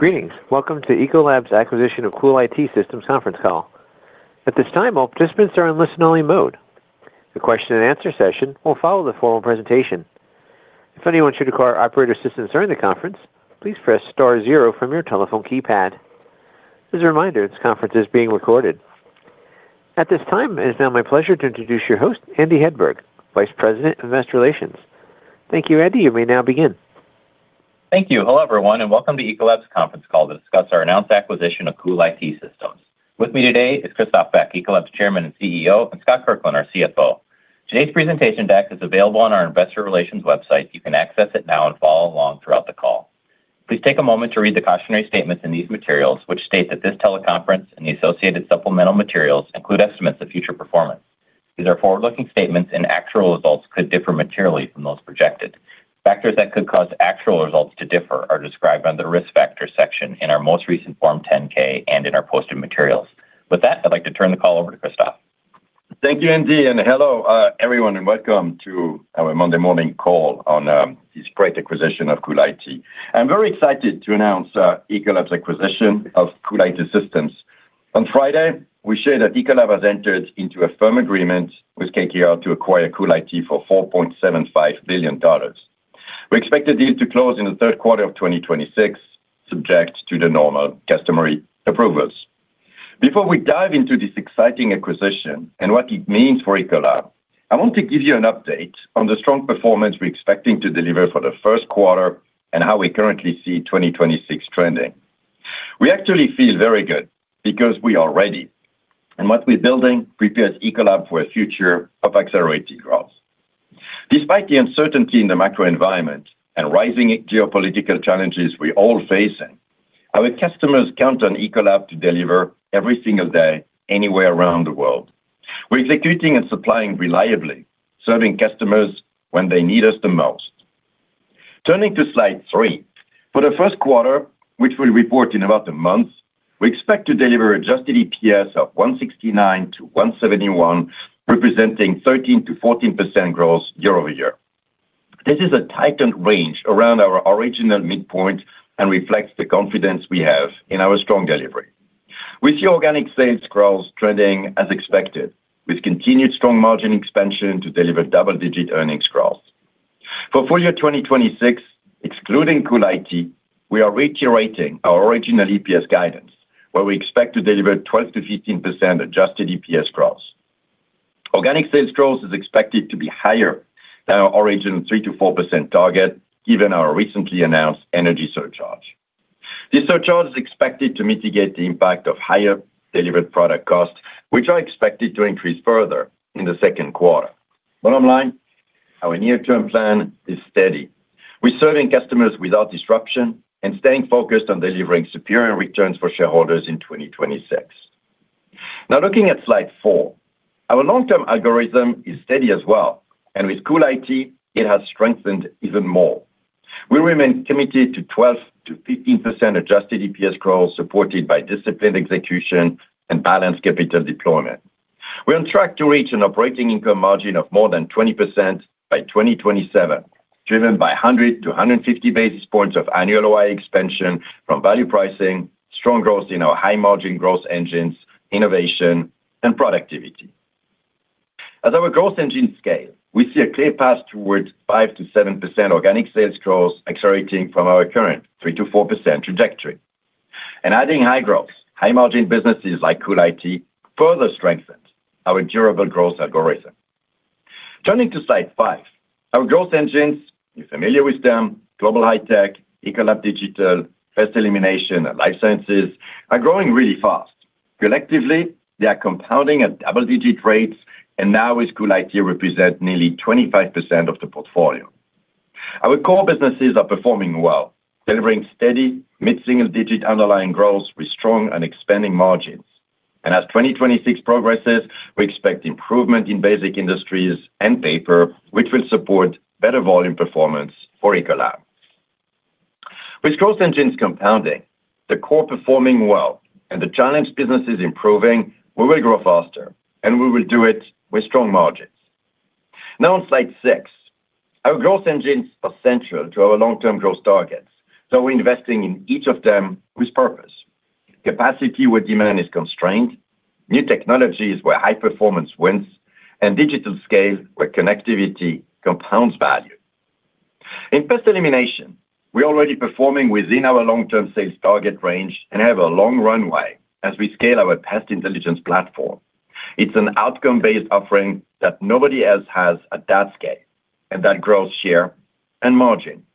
Greetings. Welcome to Ecolab's acquisition of CoolIT Systems conference call. At this time, all participants are in listen-only mode. The question and answer session will follow the formal presentation. If anyone should require operator assistance during the conference, please press star zero from your telephone keypad. As a reminder, this conference is being recorded. At this time, it is now my pleasure to introduce your host, Andy Hedberg, Vice President of Investor Relations. Thank you, Andy. You may now begin. Thank you. Hello, everyone, and welcome to Ecolab's conference call to discuss our announced acquisition of CoolIT Systems. With me today is Christophe Beck, Ecolab's Chairman and CEO, and Scott Kirkland, our CFO. Today's presentation deck is available on our investor relations website. You can access it now and follow along throughout the call. Please take a moment to read the cautionary statements in these materials, which state that this teleconference and the associated supplemental materials include estimates of future performance. These are forward-looking statements and actual results could differ materially from those projected. Factors that could cause actual results to differ are described under the Risk Factors section in our most recent Form 10-K and in our posted materials. With that, I'd like to turn the call over to Christophe. Thank you, Andy, and hello, everyone, and welcome to our Monday morning call on this great acquisition of CoolIT. I'm very excited to announce Ecolab's acquisition of CoolIT Systems. On Friday, we shared that Ecolab has entered into a firm agreement with KKR to acquire CoolIT for $4.75 billion. We expect the deal to close in the third quarter of 2026, subject to the normal customary approvals. Before we dive into this exciting acquisition and what it means for Ecolab, I want to give you an update on the strong performance we're expecting to deliver for the first quarter and how we currently see 2026 trending. We actually feel very good because we are ready, and what we're building prepares Ecolab for a future of accelerated growth. Despite the uncertainty in the macro environment and rising geopolitical challenges we're all facing, our customers count on Ecolab to deliver every single day anywhere around the world. We're executing and supplying reliably, serving customers when they need us the most. Turning to slide three. For the first quarter, which we'll report in about a month, we expect to deliver adjusted EPS of $1.69-$1.71, representing 13%-14% growth year-over-year. This is a tightened range around our original midpoint and reflects the confidence we have in our strong delivery. We see organic sales growth trending as expected, with continued strong margin expansion to deliver double-digit earnings growth. For full year 2026, excluding CoolIT, we are reiterating our original EPS guidance, where we expect to deliver 12%-15% adjusted EPS growth. Organic sales growth is expected to be higher than our original 3%-4% target, given our recently announced energy surcharge. This surcharge is expected to mitigate the impact of higher delivered product costs, which are expected to increase further in the second quarter. Bottom line, our near-term plan is steady. We're serving customers without disruption and staying focused on delivering superior returns for shareholders in 2026. Now looking at slide four. Our long-term algorithm is steady as well, and with CoolIT, it has strengthened even more. We remain committed to 12%-15% adjusted EPS growth supported by disciplined execution and balanced capital deployment. We're on track to reach an operating income margin of more than 20% by 2027, driven by 100-150 basis points of annual OI expansion from value pricing, strong growth in our high-margin growth engines, innovation, and productivity. As our growth engines scale, we see a clear path towards 5%-7% organic sales growth accelerating from our current 3%-4% trajectory. Adding high-growth, high-margin businesses like CoolIT further strengthens our durable growth algorithm. Turning to slide 5. Our growth engines, you're familiar with them, Global High-Tech, Ecolab Digital, Pest Elimination, and Life Sciences, are growing really fast. Collectively, they are compounding at double-digit rates and now with CoolIT represent nearly 25% of the portfolio. Our core businesses are performing well, delivering steady mid-single-digit underlying growth with strong and expanding margins. As 2026 progresses, we expect improvement in basic industries and paper, which will support better volume performance for Ecolab. With growth engines compounding, the core performing well, and the challenged businesses improving, we will grow faster, and we will do it with strong margins. Now on slide six. Our growth engines are central to our long-term growth targets, so we're investing in each of them with purpose. Capacity where demand is constrained, new technologies where high performance wins, and digital scale where connectivity compounds value. In Pest Elimination, we're already performing within our long-term sales target range and have a long runway as we scale our Pest Intelligence platform. It's an outcome-based offering that nobody else has at that scale, and that grows share and margin.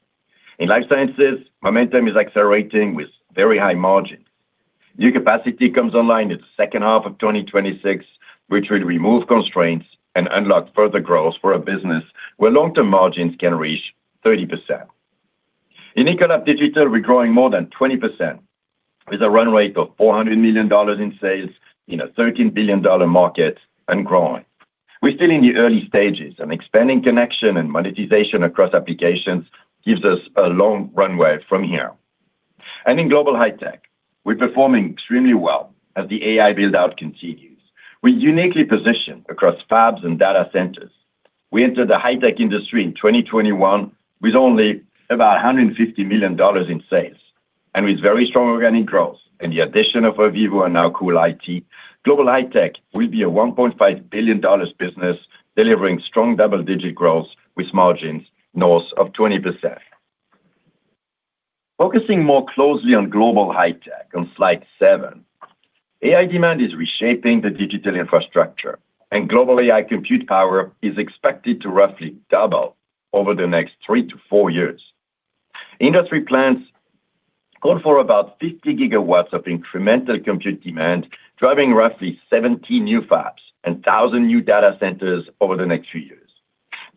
In Life Sciences, momentum is accelerating with very high margin. New capacity comes online in the second half of 2026, which will remove constraints and unlock further growth for a business where long-term margins can reach 30%. In Ecolab Digital, we're growing more than 20% with a run rate of $400 million in sales in a $13 billion market and growing. We're still in the early stages, and expanding connection and monetization across applications gives us a long runway from here. In Global High-Tech, we're performing extremely well as the AI build-out continues. We're uniquely positioned across fabs and data centers. We entered the high tech industry in 2021 with only about $150 million in sales and with very strong organic growth and the addition of Ovivo and now CoolIT, Global High-Tech will be a $1.5 billion business delivering strong double-digit growth with margins north of 20%. Focusing more closely on Global High-Tech on slide seven. AI demand is reshaping the digital infrastructure, and global AI compute power is expected to roughly double over the next 3-4 years. Industry plans call for about 50 GW of incremental compute demand, driving roughly 70 new fabs and 1,000 new data centers over the next few years.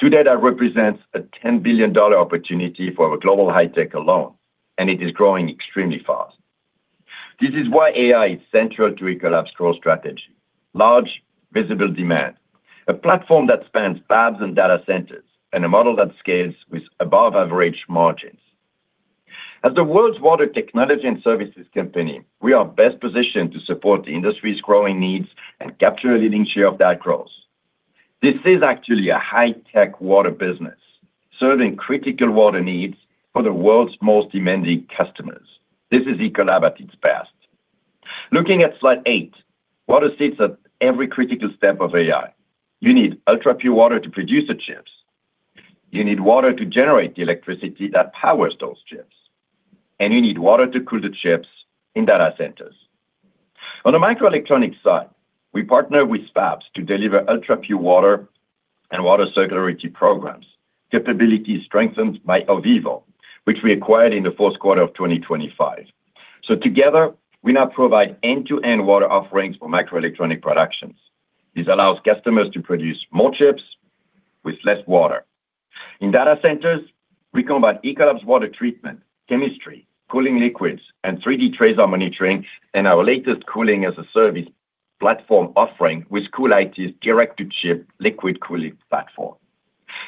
Today, that represents a $10 billion opportunity for our Global High-Tech alone, and it is growing extremely fast. This is why AI is central to Ecolab's growth strategy. Large visible demand, a platform that spans fabs and data centers, and a model that scales with above-average margins. As the world's water technology and services company, we are best positioned to support the industry's growing needs and capture a leading share of that growth. This is actually a high-tech water business, serving critical water needs for the world's most demanding customers. This is Ecolab at its best. Looking at Slide 8. Water sits at every critical step of AI. You need ultrapure water to produce the chips. You need water to generate the electricity that powers those chips, and you need water to cool the chips in data centers. On the microelectronics side, we partner with fabs to deliver ultrapure water and water circularity programs. Capability is strengthened by Ovivo, which we acquired in the fourth quarter of 2025. Together, we now provide end-to-end water offerings for microelectronics production. This allows customers to produce more chips with less water. In data centers, we combine Ecolab's water treatment, chemistry, cooling liquids, and 3D TRASAR monitoring in our latest Cooling as a Service platform offering with CoolIT's direct-to-chip liquid cooling platform.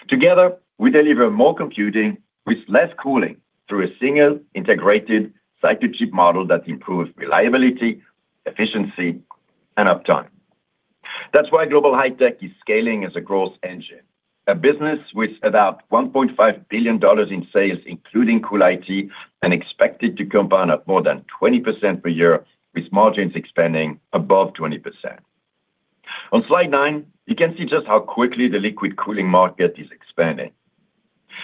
Together, we deliver more computing with less cooling through a single integrated site-to-chip model that improves reliability, efficiency, and uptime. That's why Global High-Tech is scaling as a growth engine. A business with about $1.5 billion in sales, including CoolIT, and expected to compound at more than 20% per year with margins expanding above 20%. On slide nine, you can see just how quickly the liquid cooling market is expanding.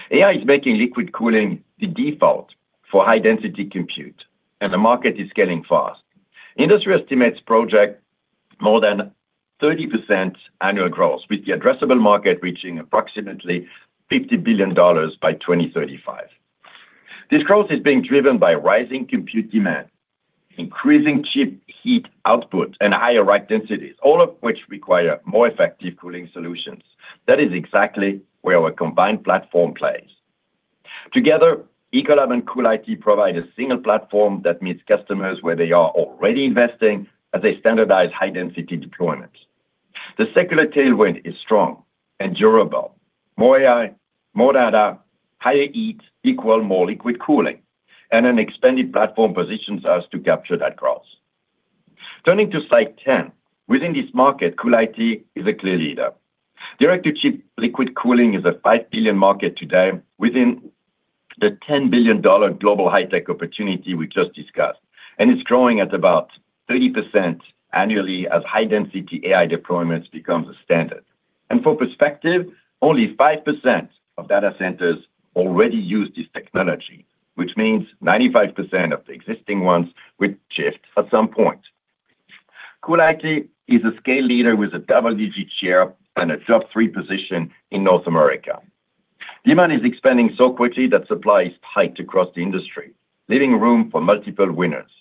AI is making liquid cooling the default for high-density compute, and the market is scaling fast. Industry estimates project more than 30% annual growth, with the addressable market reaching approximately $50 billion by 2035. This growth is being driven by rising compute demand, increasing chip heat output, and higher rack densities, all of which require more effective cooling solutions. That is exactly where our combined platform plays. Together, Ecolab and CoolIT provide a single platform that meets customers where they are already investing as they standardize high-density deployments. The secular tailwind is strong and durable. More AI, more data, higher heat equal more liquid cooling, and an expanded platform positions us to capture that growth. Turning to slide 10. Within this market, CoolIT is a clear leader. Direct-to-chip liquid cooling is a $5 billion market today within the $10 billion Global High-Tech opportunity we just discussed, and it's growing at about 30% annually as high-density AI deployments becomes a standard. For perspective, only 5% of data centers already use this technology, which means 95% of the existing ones will shift at some point. CoolIT is a scale leader with a double-digit share and a top three position in North America. Demand is expanding so quickly that supply is tight across the industry, leaving room for multiple winners.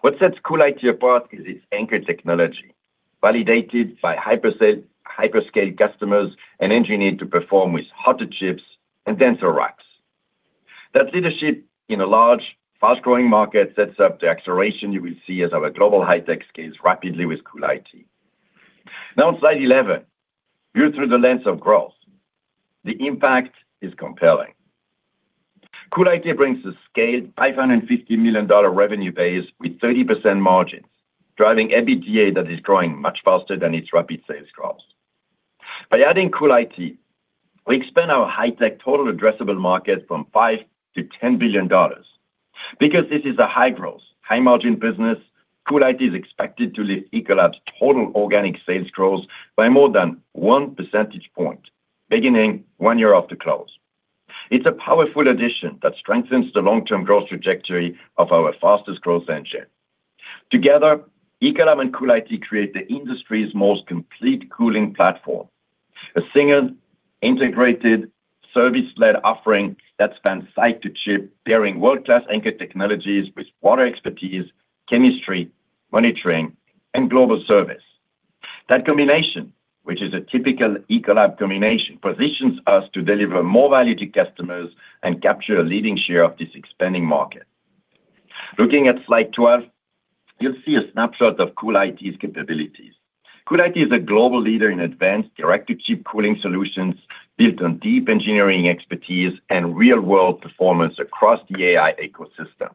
What sets CoolIT apart is its anchored technology, validated by hyperscale customers and engineered to perform with hotter chips and denser racks. That leadership in a large, fast-growing market sets up the acceleration you will see as our Global High-Tech scales rapidly with CoolIT. Now on slide 11, viewed through the lens of growth, the impact is compelling. CoolIT brings a scaled $550 million revenue base with 30% margins, driving EBITDA that is growing much faster than its rapid sales growth. By adding CoolIT, we expand our high tech total addressable market from $5 billion-$10 billion. Because this is a high-growth, high-margin business, CoolIT is expected to lift Ecolab's total organic sales growth by more than one percentage point, beginning 1 year after close. It's a powerful addition that strengthens the long-term growth trajectory of our fastest growth engine. Together, Ecolab and CoolIT create the industry's most complete cooling platform. A single, integrated, service-led offering that spans site-to-chip, pairing world-class anchored technologies with water expertise, chemistry, monitoring, and global service. That combination, which is a typical Ecolab combination, positions us to deliver more value to customers and capture a leading share of this expanding market. Looking at slide 12, you'll see a snapshot of CoolIT's capabilities. CoolIT is a global leader in advanced direct-to-chip cooling solutions built on deep engineering expertise and real-world performance across the AI ecosystem.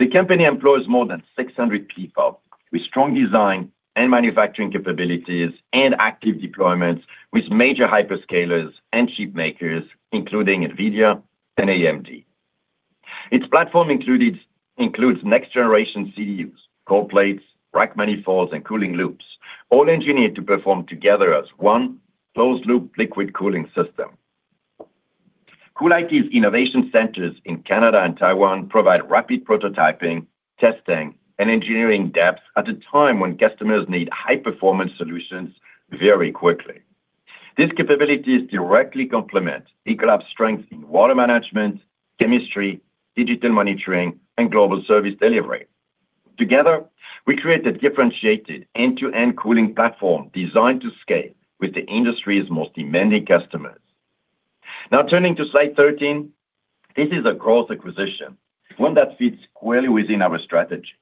The company employs more than 600 people with strong design and manufacturing capabilities and active deployments with major hyperscalers and chip makers, including NVIDIA and AMD. Its platform includes next-generation CDUs, cold plates, rack manifolds, and cooling loops, all engineered to perform together as one closed loop liquid cooling system. CoolIT's innovation centers in Canada and Taiwan provide rapid prototyping, testing, and engineering depth at a time when customers need high-performance solutions very quickly. These capabilities directly complement Ecolab's strength in water management, chemistry, digital monitoring, and global service delivery. Together, we create a differentiated end-to-end cooling platform designed to scale with the industry's most demanding customers. Now turning to slide 13, this is a growth acquisition, one that fits squarely within our strategy.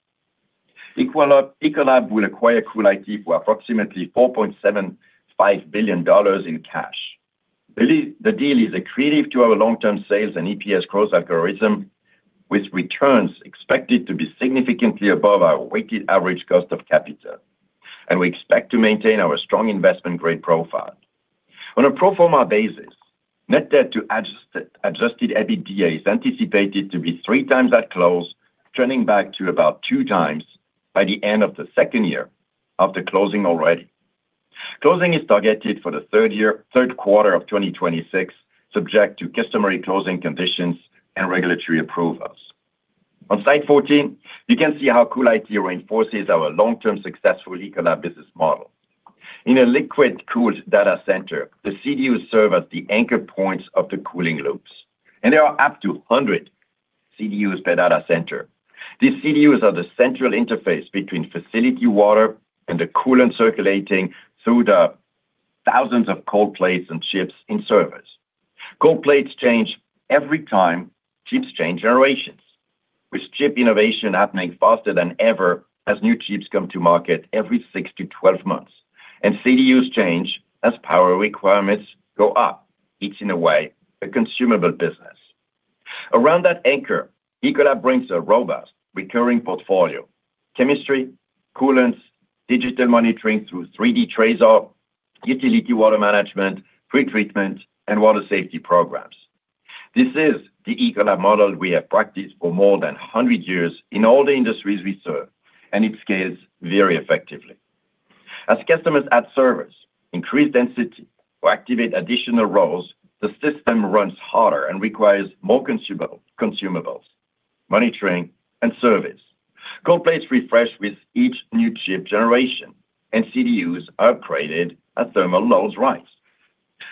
Ecolab will acquire CoolIT for approximately $4.75 billion in cash. The deal is accretive to our long-term sales and EPS growth algorithm, with returns expected to be significantly above our weighted average cost of capital. We expect to maintain our strong investment-grade profile. On a pro forma basis, net debt to adjusted EBITDA is anticipated to be 3x at close, turning back to about 2x by the end of the second year after closing already. Closing is targeted for the third quarter of 2026, subject to customary closing conditions and regulatory approvals. On slide 14, you can see how CoolIT reinforces our long-term successful Ecolab business model. In a liquid-cooled data center, the CDUs serve as the anchor points of the cooling loops, and there are up to 100 CDUs per data center. These CDUs are the central interface between facility water and the coolant circulating through the thousands of cold plates and chips in servers. Cold plates change every time chips change generations, with chip innovation happening faster than ever as new chips come to market every 6-12 months. CDUs change as power requirements go up. It's in a way a consumable business. Around that anchor, Ecolab brings a robust recurring portfolio, chemistry, coolants, digital monitoring through 3D TRASAR, utility water management, pretreatment, and water safety programs. This is the Ecolab model we have practiced for more than 100 years in all the industries we serve, and it scales very effectively. As customers add servers, increase density, or activate additional rows, the system runs harder and requires more consumables, monitoring and service. Cold plates refresh with each new chip generation and CDUs are upgraded as thermal loads rise.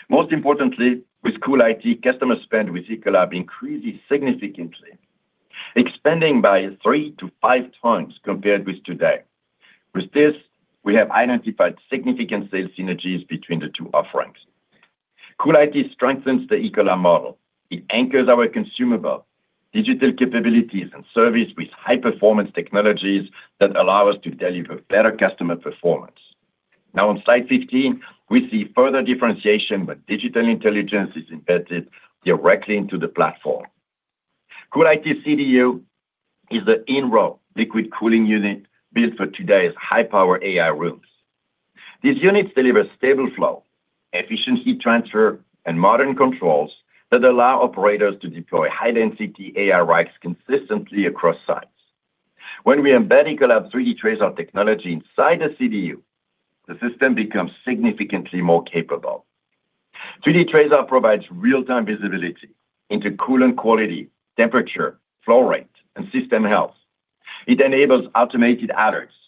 Most importantly, with CoolIT, customer spend with Ecolab increases significantly, expanding by 3x-5x compared with today. With this, we have identified significant sales synergies between the two offerings. CoolIT strengthens the Ecolab model. It anchors our consumable digital capabilities and service with high-performance technologies that allow us to deliver better customer performance. Now on slide 15, we see further differentiation when digital intelligence is embedded directly into the platform. CoolIT CDU is the in-row liquid cooling unit built for today's high-power AI rooms. These units deliver stable flow, efficiency transfer, and modern controls that allow operators to deploy high-density AI racks consistently across sites. When we embed Ecolab's 3D TRASAR technology inside the CDU, the system becomes significantly more capable. 3D TRASAR provides real-time visibility into coolant quality, temperature, flow rate, and system health. It enables automated alerts,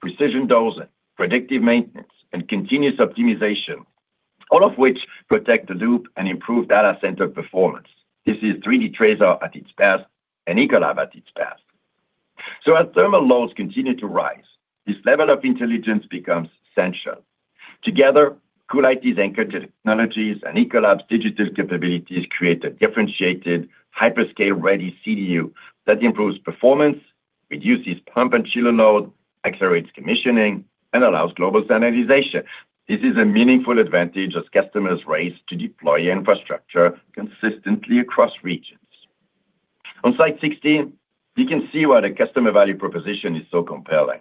precision dosing, predictive maintenance, and continuous optimization, all of which protect the loop and improve data center performance. This is 3D TRASAR at its best and Ecolab at its best. As thermal loads continue to rise, this level of intelligence becomes essential. Together, CoolIT's anchor technologies and Ecolab's digital capabilities create a differentiated hyperscale-ready CDU that improves performance, reduces pump and chiller load, accelerates commissioning, and allows global standardization. This is a meaningful advantage as customers race to deploy infrastructure consistently across regions. On slide 16, you can see why the customer value proposition is so compelling.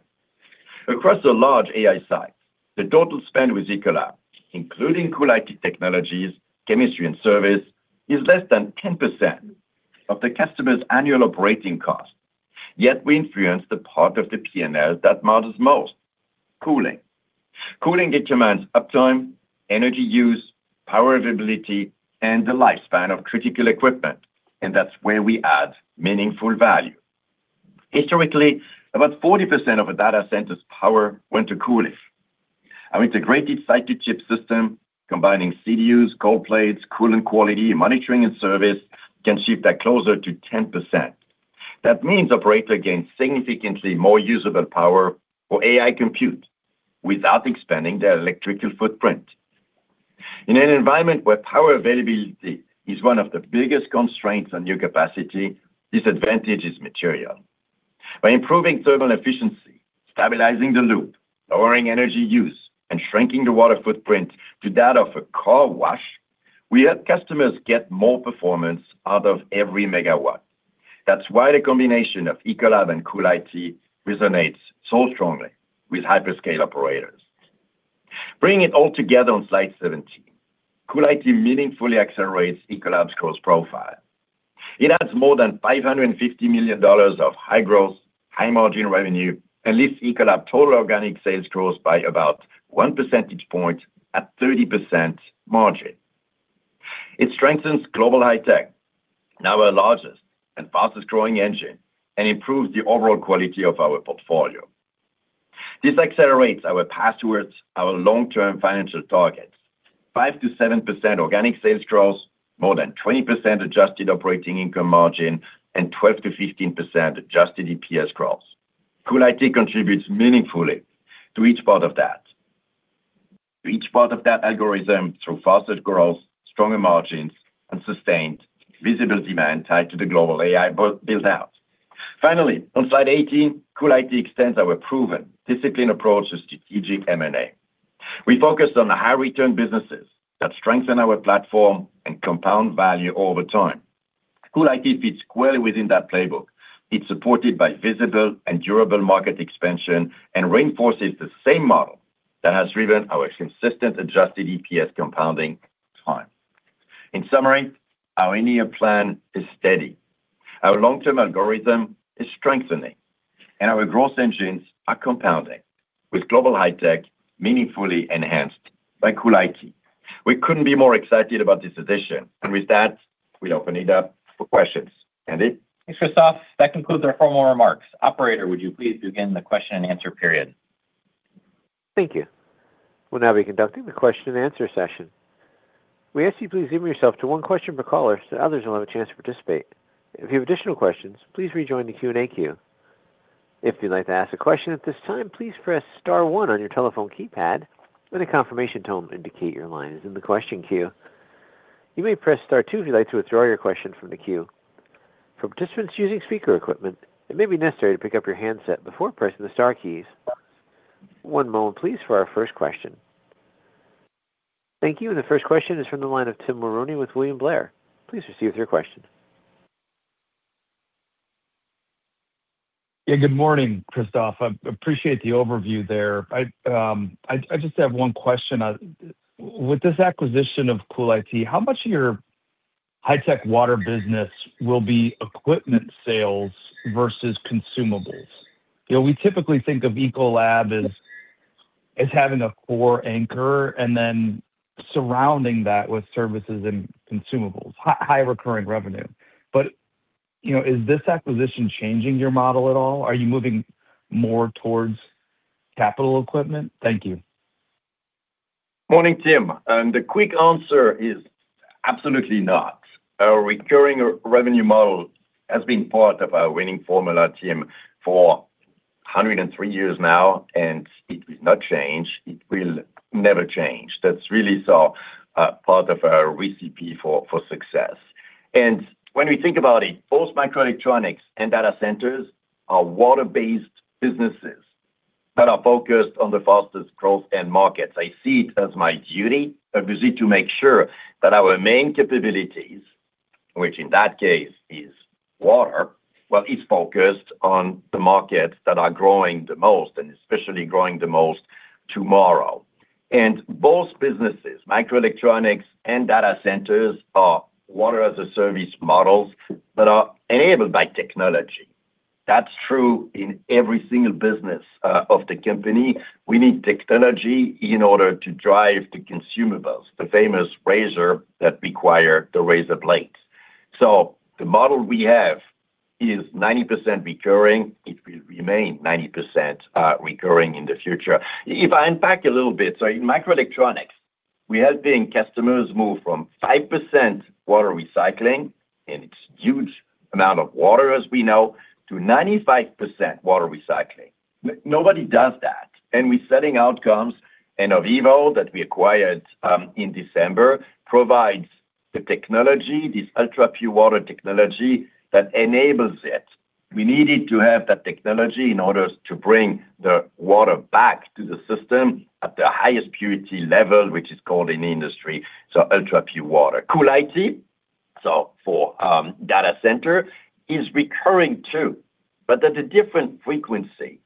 Across the large AI sites, the total spend with Ecolab, including CoolIT technologies, chemistry, and service, is less than 10% of the customer's annual operating cost. Yet we influence the part of the P&L that matters most: cooling. Cooling determines uptime, energy use, power availability, and the lifespan of critical equipment, and that's where we add meaningful value. Historically, about 40% of a data center's power went to cooling. Our integrated site-to-chip system, combining CDUs, cold plates, coolant quality, monitoring, and service, can shift that closer to 10%. That means operators gain significantly more usable power for AI compute without expanding their electrical footprint. In an environment where power availability is one of the biggest constraints on new capacity, this advantage is material. By improving thermal efficiency, stabilizing the loop, lowering energy use, and shrinking the water footprint to that of a car wash. We help customers get more performance out of every megawatt. That's why the combination of Ecolab and CoolIT resonates so strongly with hyperscale operators. Bringing it all together on slide 17, CoolIT meaningfully accelerates Ecolab's growth profile. It adds more than $550 million of high-growth, high-margin revenue and lifts Ecolab total organic sales growth by about 1 percentage point at 30% margin. It strengthens Global High-Tech, now our largest and fastest-growing engine, and improves the overall quality of our portfolio. This accelerates our path towards our long-term financial targets, 5%-7% organic sales growth, more than 20% adjusted operating income margin, and 12%-15% adjusted EPS growth. CoolIT contributes meaningfully to each part of that algorithm through faster growth, stronger margins, and sustained visible demand tied to the global AI build-out. Finally, on slide 18, CoolIT extends our proven, disciplined approach to strategic M&A. We focus on the high-return businesses that strengthen our platform and compound value over time. CoolIT fits squarely within that playbook. It's supported by visible and durable market expansion and reinforces the same model that has driven our consistent adjusted EPS compounding over time. In summary, our near plan is steady. Our long-term algorithm is strengthening, and our growth engines are compounding with Global High-Tech meaningfully enhanced by CoolIT. We couldn't be more excited about this addition. With that, we open it up for questions. Andy? Thanks, Christophe. That concludes our formal remarks. Operator, would you please begin the question-and-answer period? Thank you. We'll now be conducting the question-and-answer session. We ask you please limit yourself to one question per caller so others will have a chance to participate. If you have additional questions, please rejoin the Q&A queue. If you'd like to ask a question at this time, please press star one on your telephone keypad. Let a confirmation tone indicate your line is in the question queue. You may press star two if you'd like to withdraw your question from the queue. For participants using speaker equipment, it may be necessary to pick up your handset before pressing the star keys. One moment, please, for our first question. Thank you. The first question is from the line of Tim Mulrooney with William Blair. Please proceed with your question. Yeah. Good morning, Christophe. I appreciate the overview there. I just have one question. With this acquisition of CoolIT, how much of your high-tech water business will be equipment sales versus consumables? You know, we typically think of Ecolab as having a core anchor and then surrounding that with services and consumables, high recurring revenue. You know, is this acquisition changing your model at all? Are you moving more towards capital equipment? Thank you. Morning, Tim. The quick answer is absolutely not. Our recurring revenue model has been part of our winning formula, Tim, for 103 years now, and it will not change. It will never change. That's really so part of our recipe for success. When we think about it, both microelectronics and data centers are water-based businesses that are focused on the fastest growth end markets. I see it as my duty, obviously, to make sure that our main capabilities, which in that case is water, well, it's focused on the markets that are growing the most, and especially growing the most tomorrow. Both businesses, microelectronics and data centers, are water-as-a-service models that are enabled by technology. That's true in every single business of the company. We need technology in order to drive the consumables, the famous razor that require the razor blades. The model we have is 90% recurring. It will remain 90% recurring in the future. If I unpack a little bit, in microelectronics, we are helping customers move from 5% water recycling, and it's huge amount of water as we know, to 95% water recycling. Nobody does that. We're setting outcomes, and Ovivo that we acquired in December provides the technology, this ultrapure water technology that enables it. We needed to have that technology in order to bring the water back to the system at the highest purity level, which is called in the industry, ultrapure water. CoolIT, for data center, is recurring too, but at a different frequency.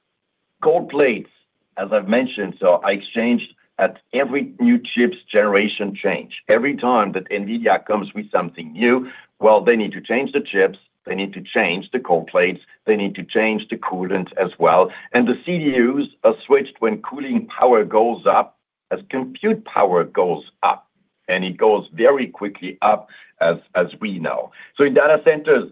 Cold plates, as I've mentioned, are exchanged at every new chips generation change. Every time that NVIDIA comes with something new, well, they need to change the chips. They need to change the cold plates. They need to change the coolant as well. The CDUs are switched when cooling power goes up, as compute power goes up, and it goes very quickly up as we know. In data centers,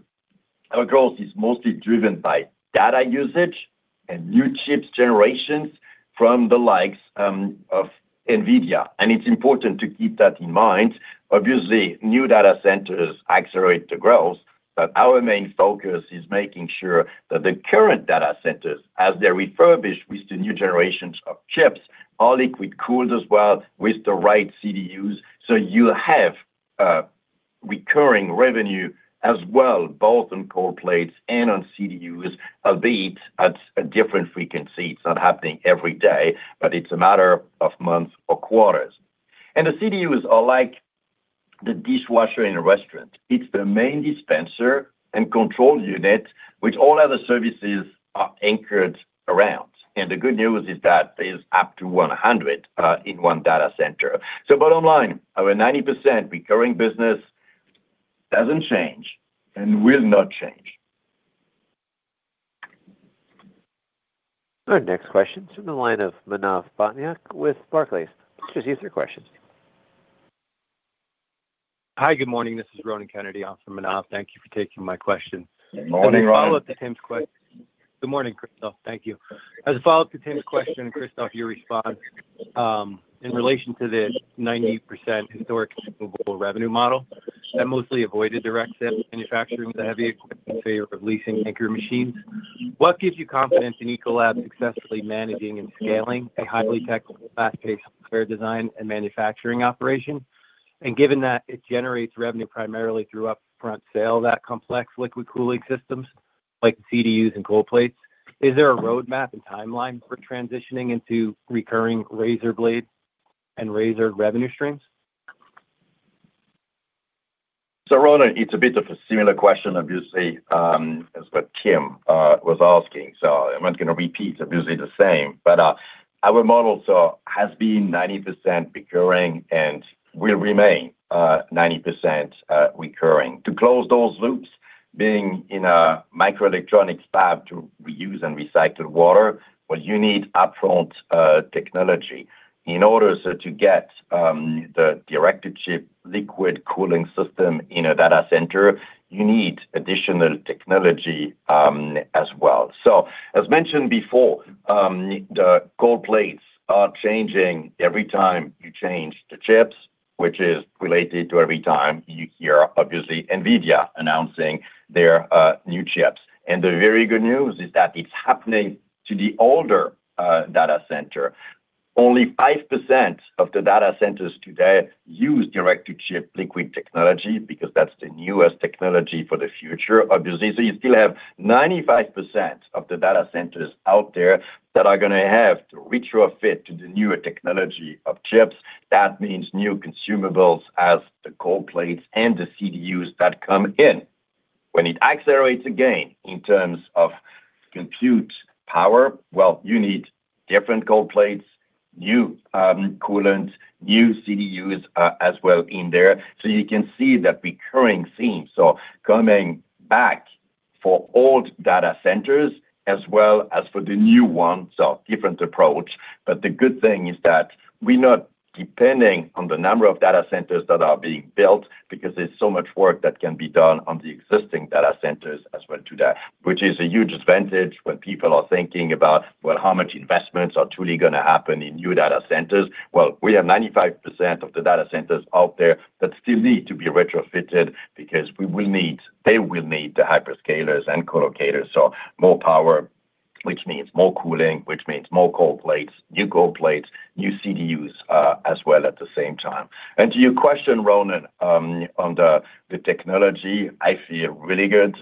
our growth is mostly driven by data usage and new chips generations from the likes of NVIDIA. It's important to keep that in mind. Obviously, new data centers accelerate the growth, but our main focus is making sure that the current data centers, as they're refurbished with the new generations of chips, are liquid cooled as well with the right CDUs. You have recurring revenue as well, both on cold plates and on CDUs, a bit at a different frequency. It's not happening every day, but it's a matter of months or quarters. The CDUs are like the dishwasher in a restaurant. It's the main dispenser and control unit which all other services are anchored around. The good news is that there's up to 100 in one data center. Bottom line, our 90% recurring business doesn't change and will not change. Our next question is from the line of Manav Patnaik with Barclays. Please proceed with your question. Hi, good morning. This is Ronan Kennedy on for Manav. Thank you for taking my question. Good morning, Ronan. Good morning, Christophe. Thank you. As a follow-up to Tim's question, Christophe, your response, in relation to the 98% historical revenue model that mostly avoided direct sales and manufacturing the heavy equipment in favor of leasing anchor machines. What gives you confidence in Ecolab successfully managing and scaling a highly technical, fast-paced server design and manufacturing operation? And given that it generates revenue primarily through upfront sale of that complex liquid cooling systems like CDUs and cold plates, is there a roadmap and timeline for transitioning into recurring razor blade and razor revenue streams? Ronan, it's a bit of a similar question, obviously, as what Tim was asking. I'm not going to repeat obviously the same. Our model has been 90% recurring and will remain 90% recurring. To close those loops, being in a microelectronics fab to reuse and recycle water, well, you need upfront technology. In order to get the direct-to-chip liquid cooling system in a data center, you need additional technology as well. As mentioned before, the cold plates are changing every time you change the chips, which is related to every time you hear, obviously, NVIDIA announcing their new chips. The very good news is that it's happening to the older data center. Only 5% of the data centers today use direct-to-chip liquid cooling because that's the newest technology for the future, obviously. You still have 95% of the data centers out there that are gonna have to retrofit to the newer technology of chips. That means new consumables as the cold plates and the CDUs that come in. When it accelerates again in terms of compute power, well, you need different cold plates, new, coolant, new CDUs, as well in there. You can see that recurring theme. Coming back for old data centers as well as for the new ones, so different approach. The good thing is that we're not depending on the number of data centers that are being built because there's so much work that can be done on the existing data centers as well to that. Which is a huge advantage when people are thinking about, well, how much investments are truly gonna happen in new data centers. Well, we have 95% of the data centers out there that still need to be retrofitted because they will need the hyperscalers and colocators. More power, which means more cooling, which means more cold plates, new cold plates, new CDUs, as well at the same time. To your question, Ronan, on the technology, I feel really good.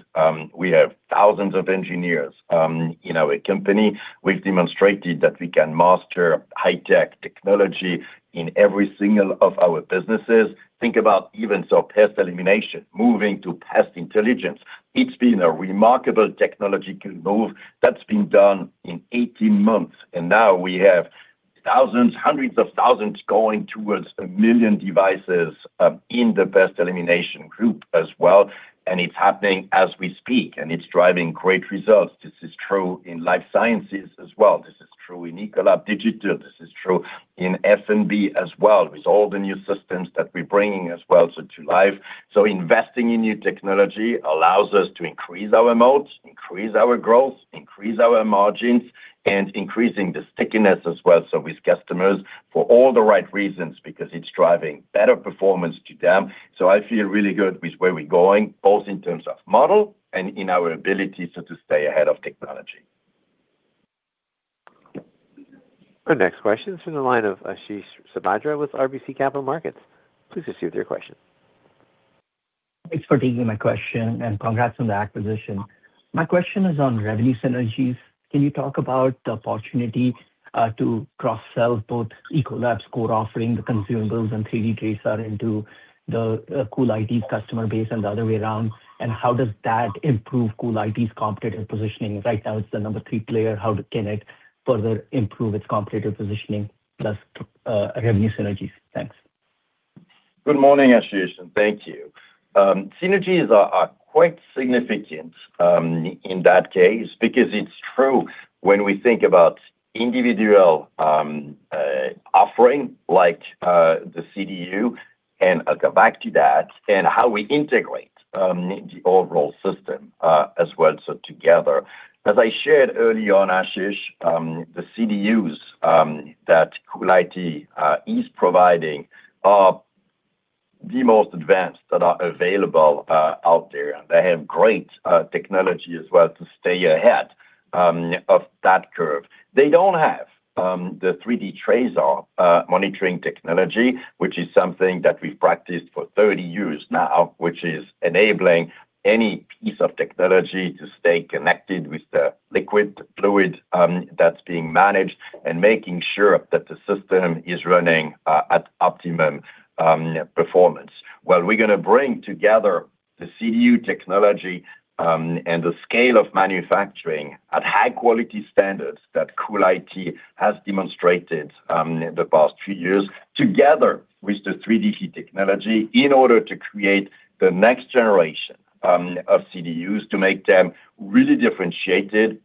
We have thousands of engineers in our company. We've demonstrated that we can master high-tech technology in every single of our businesses. Think about even so Pest Elimination, moving to Pest Intelligence. It's been a remarkable technological move that's been done in 18 months. Now we have thousands, hundreds of thousands going towards a million devices in the Pest Elimination group as well. It's happening as we speak, and it's driving great results. This is true in Life Sciences as well. This is true in Ecolab Digital. This is true in F&B as well, with all the new systems that we're bringing as well, so to life. Investing in new technology allows us to increase our modes, increase our growth, increase our margins, and increasing the stickiness as well, so with customers for all the right reasons, because it's driving better performance to them. I feel really good with where we're going, both in terms of model and in our ability so to stay ahead of technology. Our next question is from the line of Ashish Sabadra with RBC Capital Markets. Please proceed with your question. Thanks for taking my question, and congrats on the acquisition. My question is on revenue synergies. Can you talk about the opportunity, to cross-sell both Ecolab's core offering, the consumables and 3D TRASAR into the, CoolIT customer base and the other way around? How does that improve CoolIT's competitive positioning? Right now, it's the number three player. How can it further improve its competitive positioning plus, revenue synergies? Thanks. Good morning, Ashish, and thank you. Synergies are quite significant in that case, because it's true when we think about individual offering like the CDU, and I'll go back to that, and how we integrate the overall system as well, so together. As I shared early on, Ashish, the CDUs that CoolIT is providing are the most advanced that are available out there. They have great technology as well to stay ahead of that curve. They don't have the 3D TRASAR monitoring technology, which is something that we've practiced for 30 years now, which is enabling any piece of technology to stay connected with the liquid fluid that's being managed, and making sure that the system is running at optimum performance. Well, we're gonna bring together the CDU technology, and the scale of manufacturing at high-quality standards that CoolIT has demonstrated, in the past few years, together with the 3D TRASAR technology in order to create the next generation, of CDUs to make them really differentiated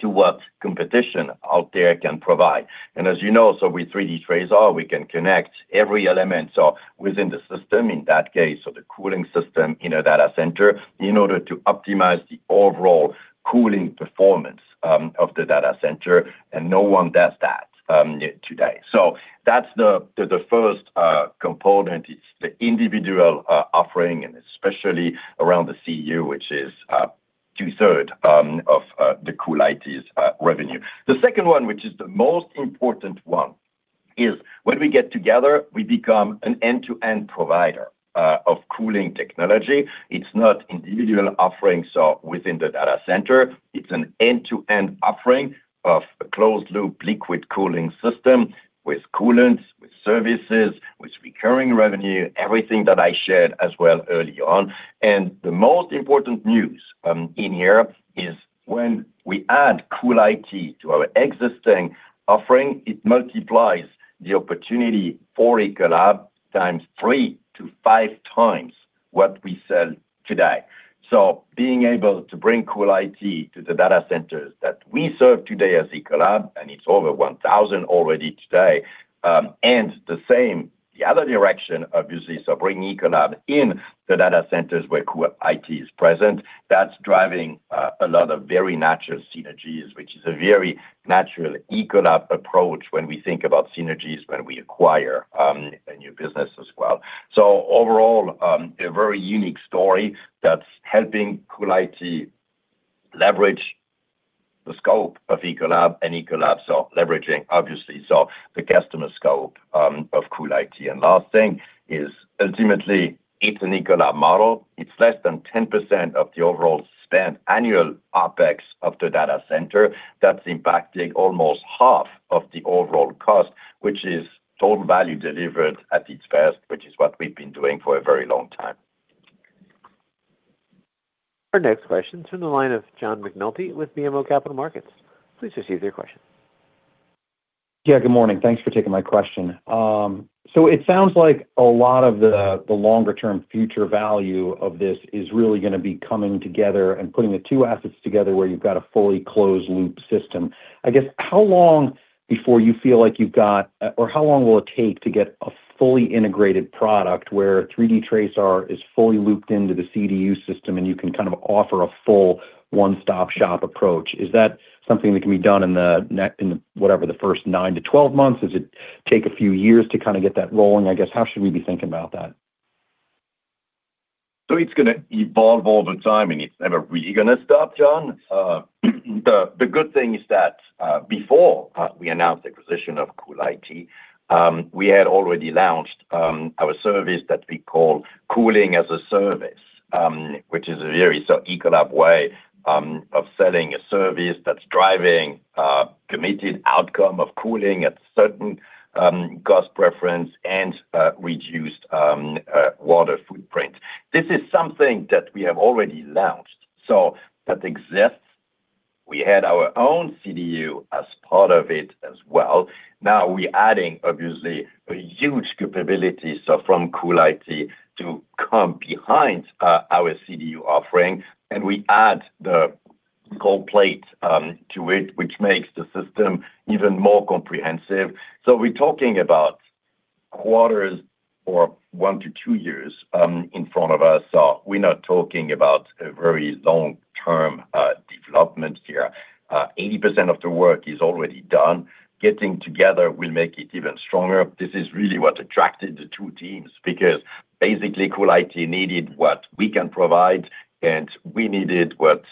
to what competition out there can provide. As you know, with 3D TRASAR, we can connect every element within the system, in that case, the cooling system in a data center, in order to optimize the overall cooling performance of the data center, and no one does that today. That's the first component is the individual offering, and especially around the CDU, which is 2/3 of CoolIT's revenue. The second one, which is the most important one, is when we get together, we become an end-to-end provider of cooling technology. It's not individual offerings, so within the data center, it's an end-to-end offering of a closed-loop liquid cooling system with coolants, with services, with recurring revenue, everything that I shared as well early on. The most important news in here is when we add CoolIT to our existing offering, it multiplies the opportunity for Ecolab 3x-5x what we sell today. Being able to bring CoolIT to the data centers that we serve today as Ecolab, and it's over 1,000 already today, and the same, the other direction, obviously, so bringing Ecolab in the data centers where CoolIT is present, that's driving a lot of very natural synergies, which is a very natural Ecolab approach when we think about synergies when we acquire a new business as well. Overall, a very unique story that's helping CoolIT leverage the scope of Ecolab, and Ecolab, so leveraging obviously. The customer scope of CoolIT. Last thing is ultimately, it's an Ecolab model. It's less than 10% of the overall spend annual OpEx of the data center that's impacting almost half of the overall cost, which is total value delivered at its best, which is what we've been doing for a very long time. Our next question is from the line of John McNulty with BMO Capital Markets. Please proceed with your question. Yeah, good morning. Thanks for taking my question. So it sounds like a lot of the longer-term future value of this is really gonna be coming together and putting the two assets together where you've got a fully closed loop system. I guess, how long before you feel like you've got or how long will it take to get a fully integrated product where 3D TRASAR is fully looped into the CDU system, and you can kind of offer a full one-stop shop approach? Is that something that can be done in the, whatever, the first 9-12 months? Does it take a few years to kinda get that rolling? I guess, how should we be thinking about that? It's gonna evolve over time, and it's never really gonna stop, John. The good thing is that before we announced the acquisition of CoolIT, we had already launched our service that we call Cooling as a Service, which is a very sort of Ecolab way of selling a service that's driving committed outcome of cooling at certain cost preference and reduced water footprint. This is something that we have already launched, so that exists. We had our own CDU as part of it as well. Now we're adding obviously a huge capability, so from CoolIT to come behind our CDU offering, and we add the cold plate to it, which makes the system even more comprehensive. We're talking about quarters or 1-2 years in front of us. We're not talking about a very long-term development here. 80% of the work is already done. Getting together will make it even stronger. This is really what attracted the two teams because basically CoolIT needed what we can provide, and we needed what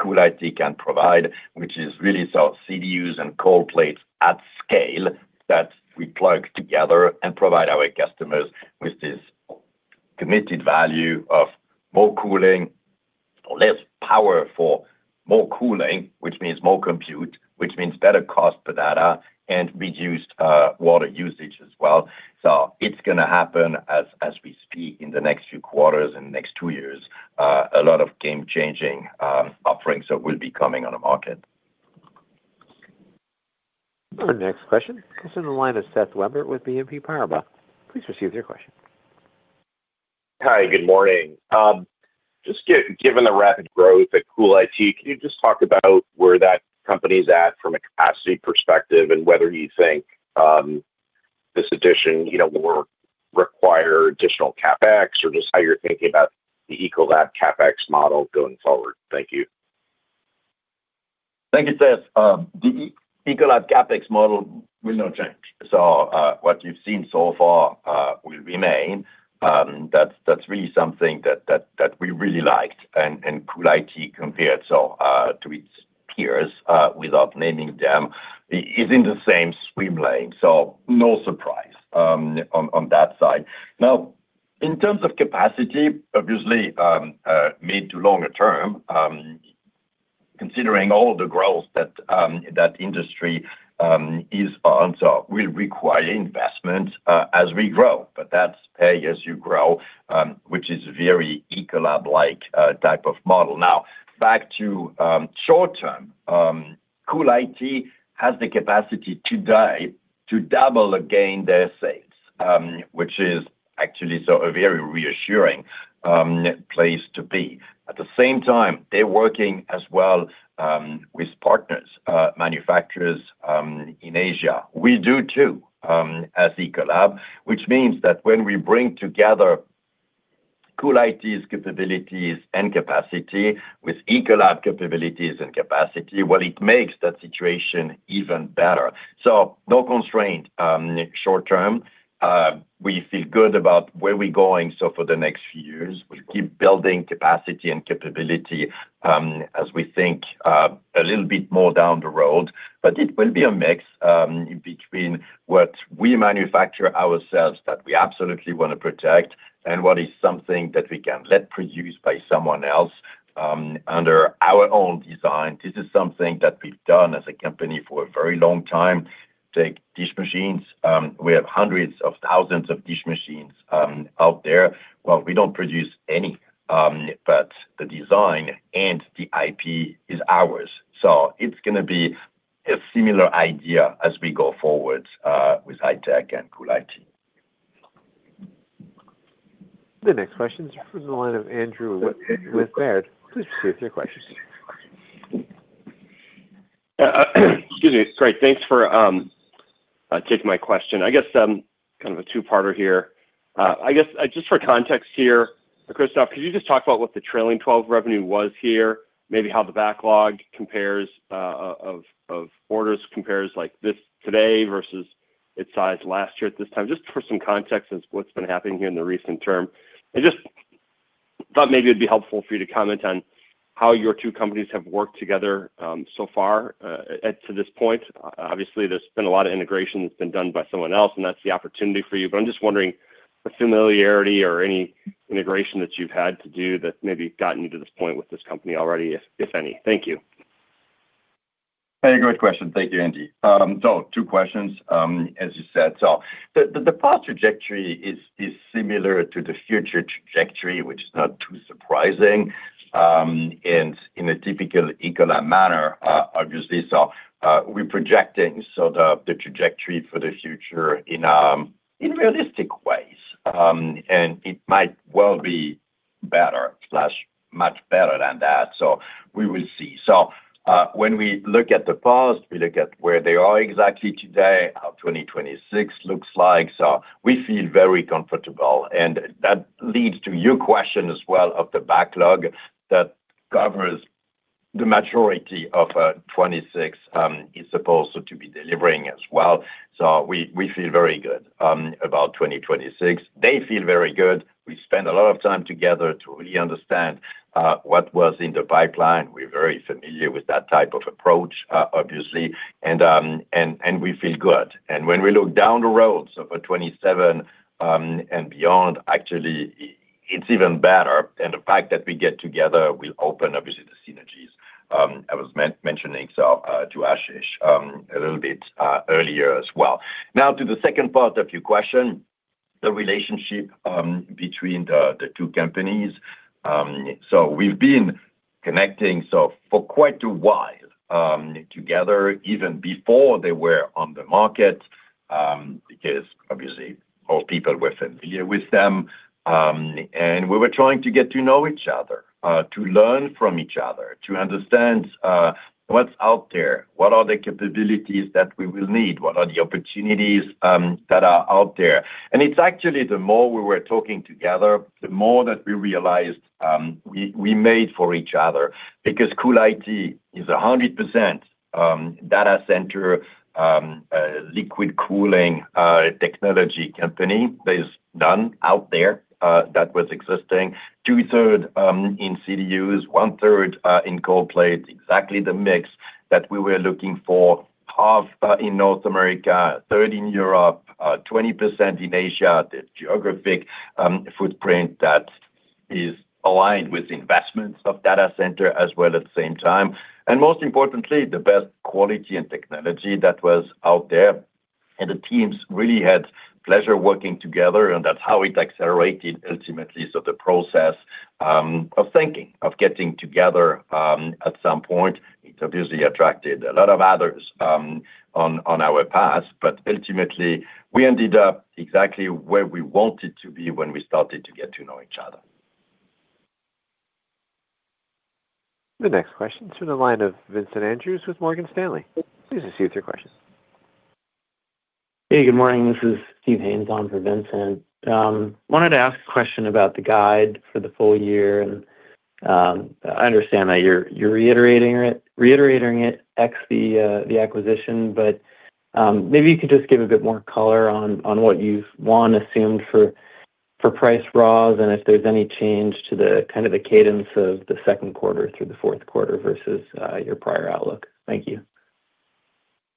CoolIT can provide, which is really sort of CDU and cold plates at scale that we plug together and provide our customers with this committed value of more cooling or less power for more cooling, which means more compute, which means better cost per data and reduced water usage as well. It's gonna happen as we speak in the next few quarters and the next two years. A lot of game-changing offerings that will be coming on the market. Our next question is in the line of Seth Weber with BNP Paribas. Please proceed with your question. Hi, good morning. Just given the rapid growth at CoolIT, can you just talk about where that company's at from a capacity perspective and whether you think this addition will require additional CapEx or just how you're thinking about the Ecolab CapEx model going forward? Thank you. Thank you, Seth. The Ecolab CapEx model will not change. What you've seen so far will remain. That's really something that we really liked and CoolIT compared to its peers, without naming them, is in the same swim lane, so no surprise on that side. Now, in terms of capacity, obviously, mid to longer term, considering all the growth that that industry is on, will require investment as we grow. That's pay as you grow, which is very Ecolab-like type of model. Now, back to short term, CoolIT has the capacity today to double again their sales, which is actually a very reassuring place to be. At the same time, they're working as well with partners, manufacturers in Asia. We do too, as Ecolab, which means that when we bring together CoolIT's capabilities and capacity with Ecolab capabilities and capacity, well, it makes that situation even better. No constraint, short term. We feel good about where we're going. For the next few years, we'll keep building capacity and capability as we think a little bit more down the road. It will be a mix between what we manufacture ourselves that we absolutely wanna protect and what is something that we can let produce by someone else under our own design. This is something that we've done as a company for a very long time. Take dish machines, we have hundreds of thousands of dish machines out there. Well, we don't produce any, but the design and the IP is ours. It's gonna be a similar idea as we go forward with iTek and CoolIT. The next question is from the line of Andrew with Baird. Please proceed with your question. Excuse me. Great. Thanks for taking my question. I guess kind of a two-parter here. I guess just for context here, Christophe, could you just talk about what the trailing twelve revenue was here? Maybe how the backlog compares of orders compares like this today versus its size last year at this time? Just for some context as what's been happening here in the recent term. I just thought maybe it'd be helpful for you to comment on how your two companies have worked together so far to this point. Obviously, there's been a lot of integration that's been done by someone else, and that's the opportunity for you. But I'm just wondering what familiarity or any integration that you've had to do that maybe gotten you to this point with this company already, if any. Thank you. Hey, great question. Thank you, Andy. Two questions, as you said. The past trajectory is similar to the future trajectory, which is not too surprising, and in a typical Ecolab manner, obviously. We're projecting the trajectory for the future in realistic ways. It might well be better slash much better than that. We will see. When we look at the past, we look at where they are exactly today, how 2026 looks like. We feel very comfortable. That leads to your question as well of the backlog that covers the majority of 2026 is supposed to be delivering as well. We feel very good about 2026. They feel very good. We spend a lot of time together to really understand what was in the pipeline. We're very familiar with that type of approach, obviously. We feel good. When we look down the road, for 2027 and beyond, actually it's even better. The fact that we get together will open obviously the synergies I was mentioning to Ashish a little bit earlier as well. Now to the second part of your question, the relationship between the two companies. We've been connecting for quite a while together even before they were on the market because obviously our people were familiar with them. We were trying to get to know each other, to learn from each other, to understand what's out there, what are the capabilities that we will need, what are the opportunities that are out there. It's actually the more we were talking together, the more that we realized we made for each other because CoolIT is 100% data center liquid cooling technology company. There's none out there that was existing. Two-thirds in CDUs, 1/3 in cold plate, exactly the mix that we were looking for. Half in North America, third in Europe, 20% in Asia. The geographic footprint that is aligned with the investments of data center as well at the same time. Most importantly, the best quality and technology that was out there. The teams really had pleasure working together, and that's how it accelerated ultimately. The process of thinking, of getting together, at some point, it obviously attracted a lot of others, on our path, but ultimately we ended up exactly where we wanted to be when we started to get to know each other. The next question is from the line of Vincent Andrews with Morgan Stanley. Please proceed with your question. Hey, good morning. This is Steve Haynes on for Vincent. Wanted to ask a question about the guidance for the full year. I understand that you're reiterating it ex the acquisition, but maybe you could just give a bit more color on what you've assumed for pricing raws and if there's any change to the kind of cadence of the second quarter through the fourth quarter versus your prior outlook. Thank you.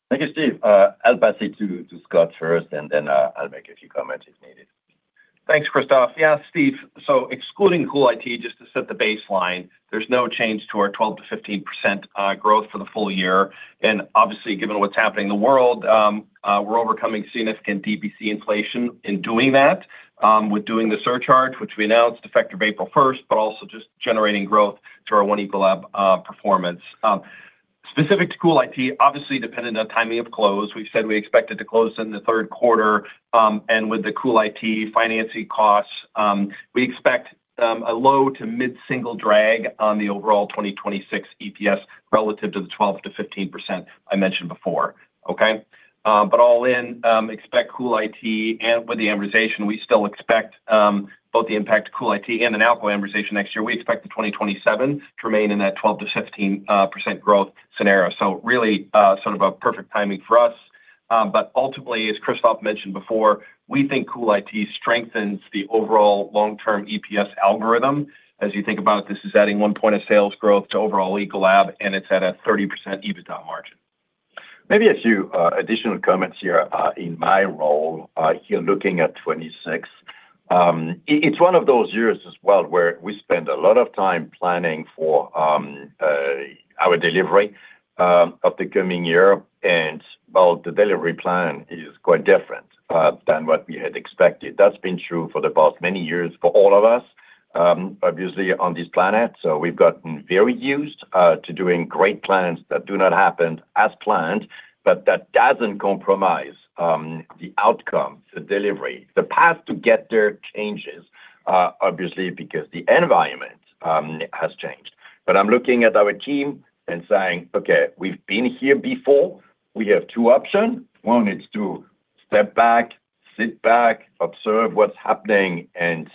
Thank you, Steve. I'll pass it to Scott first, and then, I'll make a few comments if needed. Thanks, Christophe. Yeah, Steve. Excluding CoolIT just to set the baseline, there's no change to our 12%-15% growth for the full year. Obviously, given what's happening in the world, we're overcoming significant DPC inflation in doing that with the surcharge, which we announced effective April 1, but also just generating growth to our One Ecolab performance. Specific to CoolIT, obviously dependent on timing of close. We've said we expect it to close in the third quarter. With the CoolIT financing costs, we expect a low- to mid-single-digit drag on the overall 2026 EPS relative to the 12%-15% I mentioned before. Okay? All in, we expect CoolIT and with the amortization, we still expect both the impact to CoolIT and then deal amortization next year. We expect the 2027 to remain in that 12%-15% growth scenario. Really, sort of a perfect timing for us. Ultimately, as Christophe mentioned before, we think CoolIT strengthens the overall long-term EPS algorithm. As you think about it, this is adding 1% of sales growth to overall Ecolab, and it's at a 30% EBITDA margin. Maybe a few additional comments here in my role here looking at 2026. It's one of those years as well, where we spend a lot of time planning for our delivery of the coming year. Well, the delivery plan is quite different than what we had expected. That's been true for the past many years for all of us obviously on this planet. We've gotten very used to doing great plans that do not happen as planned, but that doesn't compromise the outcome, the delivery. The path to get there changes obviously because the environment has changed. I'm looking at our team and saying, "Okay, we've been here before. We have two options. One is to step back, sit back, observe what's happening and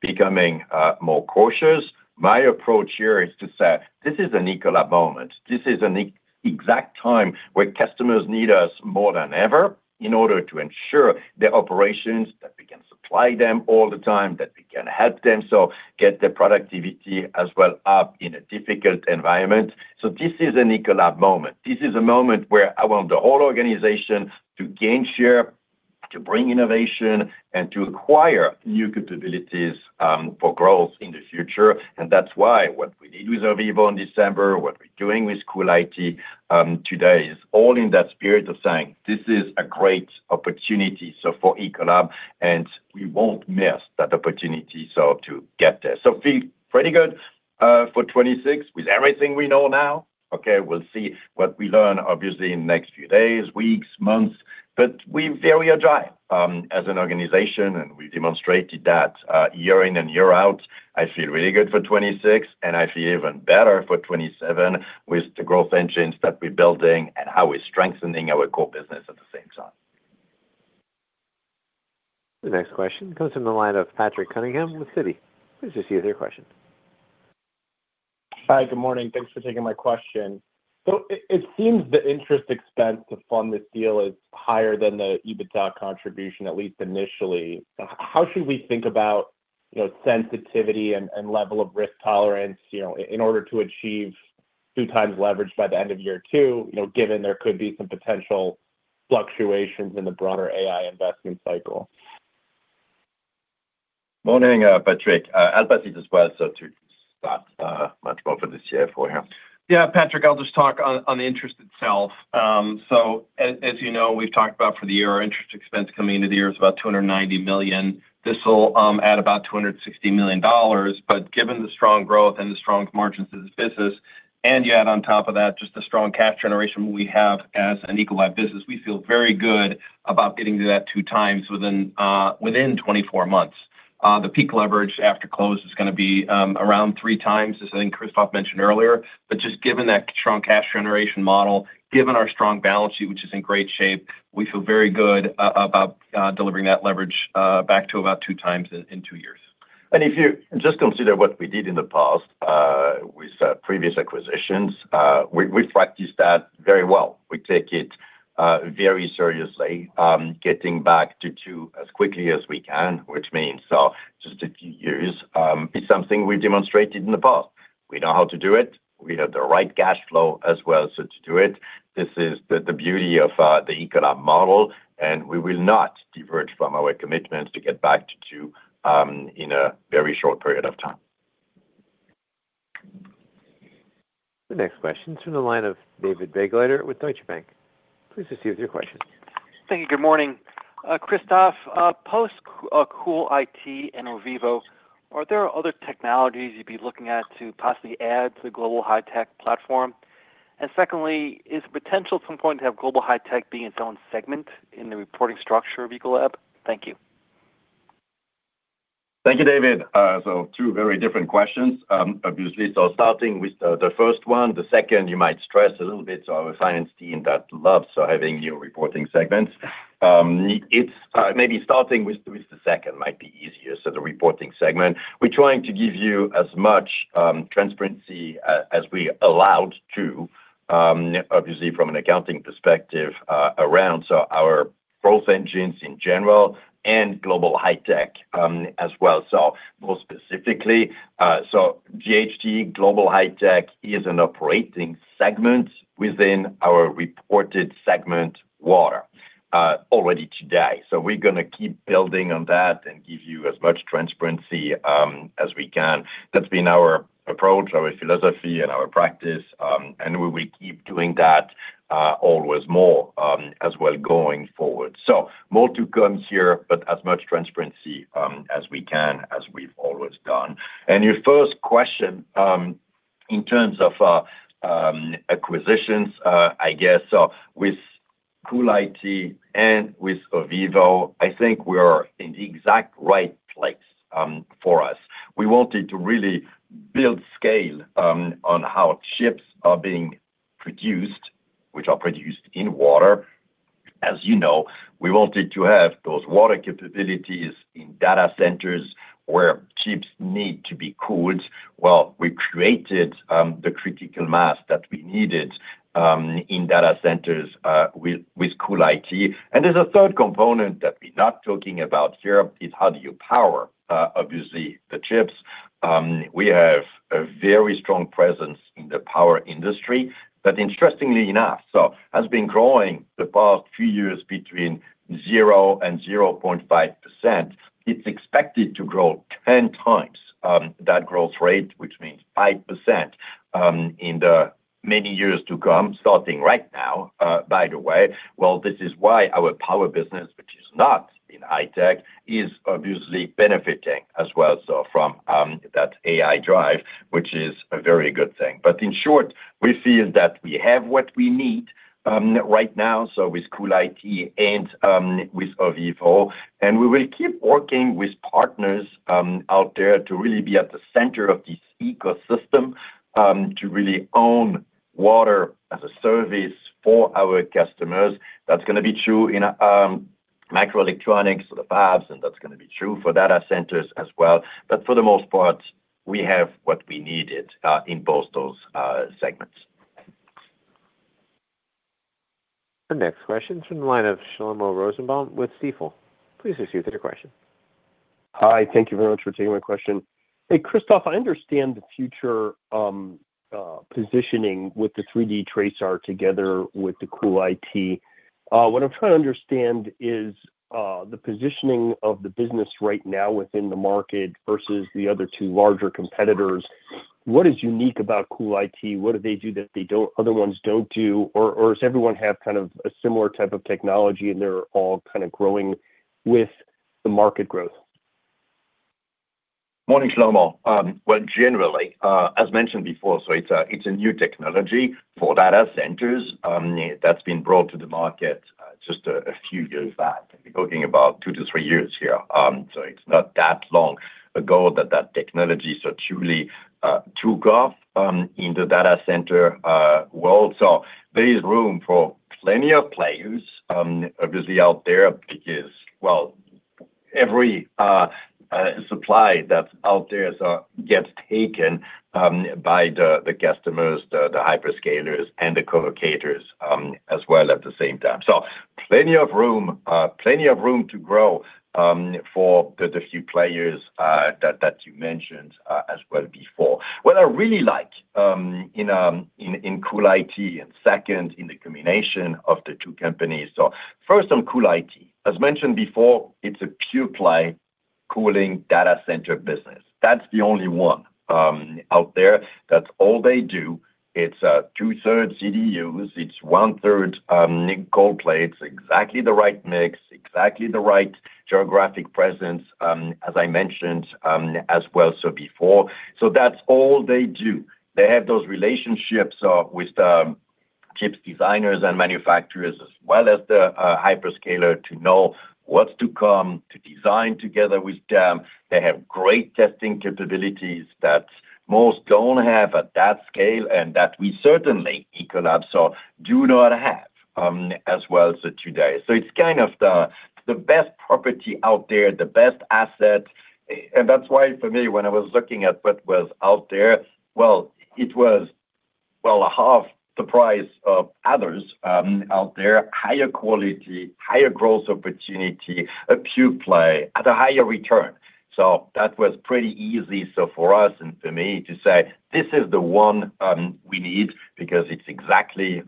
becoming more cautious." My approach here is to say, "This is an Ecolab moment. This is an exact time where customers need us more than ever in order to ensure their operations, that we can supply them all the time, that we can help them so get their productivity as well up in a difficult environment." This is an Ecolab moment. This is a moment where I want the whole organization to gain share, to bring innovation, and to acquire new capabilities for growth in the future. That's why what we did with Ovivo in December, what we're doing with CoolIT today is all in that spirit of saying, "This is a great opportunity, so for Ecolab, and we won't miss that opportunity, so to get there." Feel pretty good for 2026 with everything we know now. Okay, we'll see what we learn obviously in next few days, weeks, months, but we're very agile as an organization, and we've demonstrated that year in and year out. I feel really good for 2026, and I feel even better for 2027 with the growth engines that we're building and how we're strengthening our core business at the same time. The next question comes from the line of Patrick Cunningham with Citi. Please just give your question. Hi, good morning. Thanks for taking my question. It seems the interest expense to fund this deal is higher than the EBITDA contribution, at least initially. How should we think about, you know, sensitivity and level of risk tolerance, you know, in order to achieve 2x leverage by the end of year two, you know, given there could be some potential fluctuations in the broader AI investment cycle? Morning, Patrick. I'll pass it over to Scott, our CFO here. Yeah, Patrick, I'll just talk on the interest itself. As you know, we've talked about for the year, our interest expense coming into the year is about $290 million. This will add about $260 million, but given the strong growth and the strong margins of the business, and you add on top of that just the strong cash generation we have as an Ecolab business, we feel very good about getting to that 2x within 24 months. The peak leverage after close is gonna be around 3x, as I think Christophe mentioned earlier. Given that strong cash generation model, given our strong balance sheet, which is in great shape, we feel very good about delivering that leverage back to about 2x in two years. If you just consider what we did in the past with previous acquisitions, we've practiced that very well. We take it very seriously, getting back to two as quickly as we can, which means just a few years is something we demonstrated in the past. We know how to do it. We have the right cash flow as well, so to do it. This is the beauty of the Ecolab model, and we will not diverge from our commitment to get back to two in a very short period of time. The next question is from the line of David Begleiter with Deutsche Bank. Please just give us your question. Thank you. Good morning. Christophe, post CoolIT and Ovivo, are there other technologies you'd be looking at to possibly add to the Global High-Tech platform? Secondly, is the potential at some point to have Global High-Tech be its own segment in the reporting structure of Ecolab? Thank you. Thank you, David. Two very different questions, obviously. Starting with the first one, the second, you might stress a little bit our science team that loves having new reporting segments. Maybe starting with the second might be easier. The reporting segment, we're trying to give you as much transparency as we allowed to, obviously from an accounting perspective, around our growth engines in general and Global High-Tech, as well. More specifically, GHT, Global High-Tech, is an operating segment within our reported segment Water, already today. We're gonna keep building on that and give you as much transparency as we can. That's been our approach, our philosophy, and our practice, and we will keep doing that, always more, as well going forward. More to come here, but as much transparency as we can, as we've always done. Your first question, in terms of our acquisitions, I guess with CoolIT and with Ovivo, I think we are in the exact right place for us. We wanted to really build scale on how chips are being produced, which are produced in water. As you know, we wanted to have those water capabilities in data centers where chips need to be cooled. Well, we created the critical mass that we needed in data centers with CoolIT. There's a third component that we're not talking about here is how do you power obviously the chips. We have a very strong presence in the power industry. Interestingly enough, so has been growing the past few years between 0 and 0.5%. It's expected to grow 10 times that growth rate, which means 5%, in the many years to come, starting right now, by the way. Well, this is why our power business, which is not in high-tech, is obviously benefiting as well, so from that AI drive, which is a very good thing. In short, we feel that we have what we need right now, so with CoolIT and with Ovivo. We will keep working with partners out there to really be at the center of this ecosystem, to really own water as a service for our customers. That's gonna be true in microelectronics, the fabs, and that's gonna be true for data centers as well. For the most part, we have what we needed in both those segments. The next question is from the line of Shlomo Rosenbaum with Stifel. Please proceed with your question. Hi. Thank you very much for taking my question. Hey, Christophe, I understand the future positioning with the 3D TRASAR together with the CoolIT. What I'm trying to understand is the positioning of the business right now within the market versus the other two larger competitors. What is unique about CoolIT? What do they do that other ones don't do? Or does everyone have kind of a similar type of technology and they're all kind of growing with the market growth? Morning, Shlomo. Well, generally, as mentioned before, it's a new technology for data centers, that's been brought to the market just a few years back. We're talking about 2-3 years here. It's not that long ago that that technology truly took off in the data center world. There is room for plenty of players, obviously out there because every supply that's out there gets taken by the customers, the hyperscalers, and the collocators, as well at the same time. Plenty of room to grow for the few players that you mentioned as well before. What I really like in CoolIT and second in the combination of the two companies. First on CoolIT. As mentioned before, it's a pure play cooling data center business. That's the only one out there. That's all they do. It's 2/3 CDUs. It's 1/3 in-rack cold plates. It's exactly the right mix, exactly the right geographic presence, as I mentioned, as well, before. That's all they do. They have those relationships with the chip designers and manufacturers, as well as the hyperscalers to know what's to come to design together with them. They have great testing capabilities that most don't have at that scale and that we certainly, Ecolab, do not have, as well today. It's kind of the best property out there, the best asset. That's why for me, when I was looking at what was out there, well, it was, well, a half the price of others, out there, higher quality, higher growth opportunity, a pure play at a higher return. That was pretty easy, for us and for me to say, "This is the one, we need because it's exactly,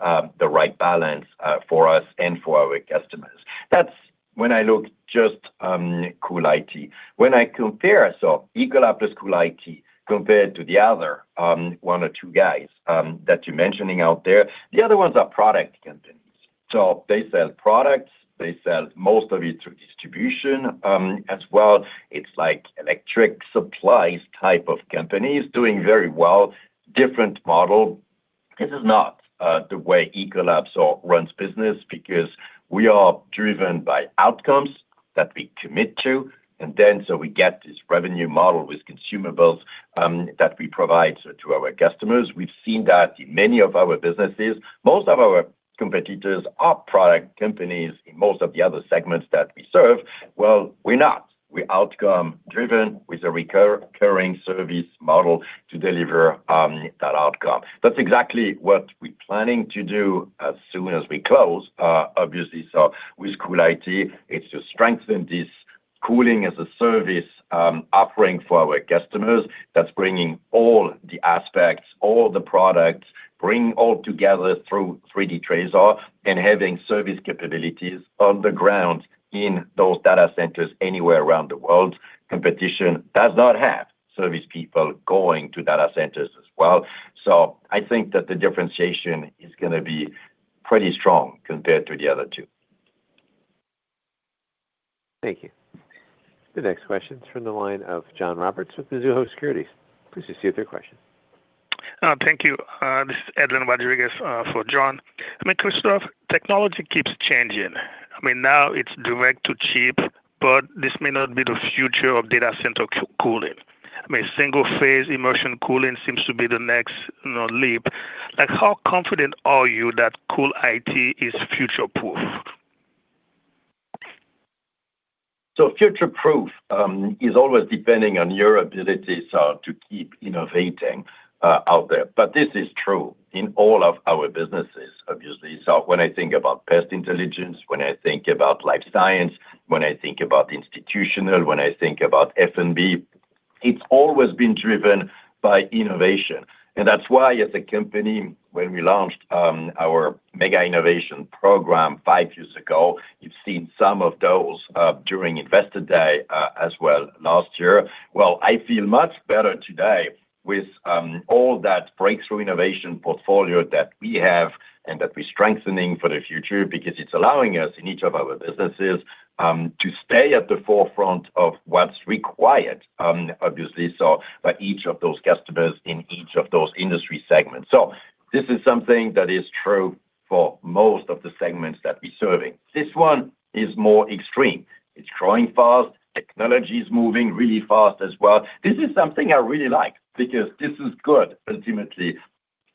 the right balance, for us and for our customers." That's when I look just, CoolIT. When I compare, Ecolab plus CoolIT compared to the other, one or two guys, that you're mentioning out there, the other ones are product companies. They sell products, they sell most of it through distribution, as well. It's like electric supplies type of companies doing very well, different model. This is not the way Ecolab sort of runs business because we are driven by outcomes that we commit to, and then so we get this revenue model with consumables that we provide to our customers. We've seen that in many of our businesses. Most of our competitors are product companies in most of the other segments that we serve. Well, we're not. We're outcome-driven with a recurring service model to deliver that outcome. That's exactly what we're planning to do as soon as we close, obviously. With Cool IT, it's to strengthen this Cooling as a Service offering for our customers that's bringing all the aspects, all the products, bringing all together through 3D TRASAR and having service capabilities on the ground in those data centers anywhere around the world. Competition does not have service people going to data centers as well. I think that the differentiation is gonna be pretty strong compared to the other two. Thank you. The next question is from the line of John Roberts with the Mizuho Securities. Please proceed with your question. Thank you. This is Edwin Rodriguez for John. I mean, Christophe, technology keeps changing. I mean, now it's direct-to-chip, but this may not be the future of data center cooling. I mean, single-phase immersion cooling seems to be the next, you know, leap. Like, how confident are you that CoolIT is future-proof? Future-proof is always depending on your ability to keep innovating out there. This is true in all of our businesses, obviously. When I think about Pest Intelligence, when I think about Life Sciences, when I think about Institutional, when I think about F&B, it's always been driven by innovation. That's why as a company, when we launched our mega innovation program five years ago, you've seen some of those during Investor Day as well last year. Well, I feel much better today with all that breakthrough innovation portfolio that we have and that we're strengthening for the future because it's allowing us in each of our businesses to stay at the forefront of what's required, obviously, by each of those customers in each of those industry segments. This is something that is true for most of the segments that we're serving. This one is more extreme. It's growing fast. Technology is moving really fast as well. This is something I really like because this is good ultimately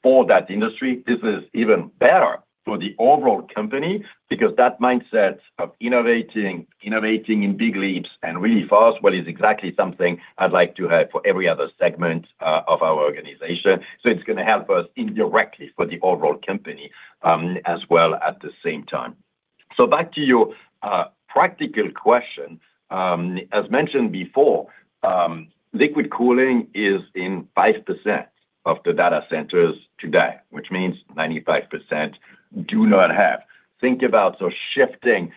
for that industry. This is even better for the overall company because that mindset of innovating in big leaps and really fast, well, is exactly something I'd like to have for every other segment of our organization. It's gonna help us indirectly for the overall company, as well at the same time. Back to your practical question. As mentioned before, liquid cooling is in 5% of the data centers today, which means 95% do not have. Think about so shifting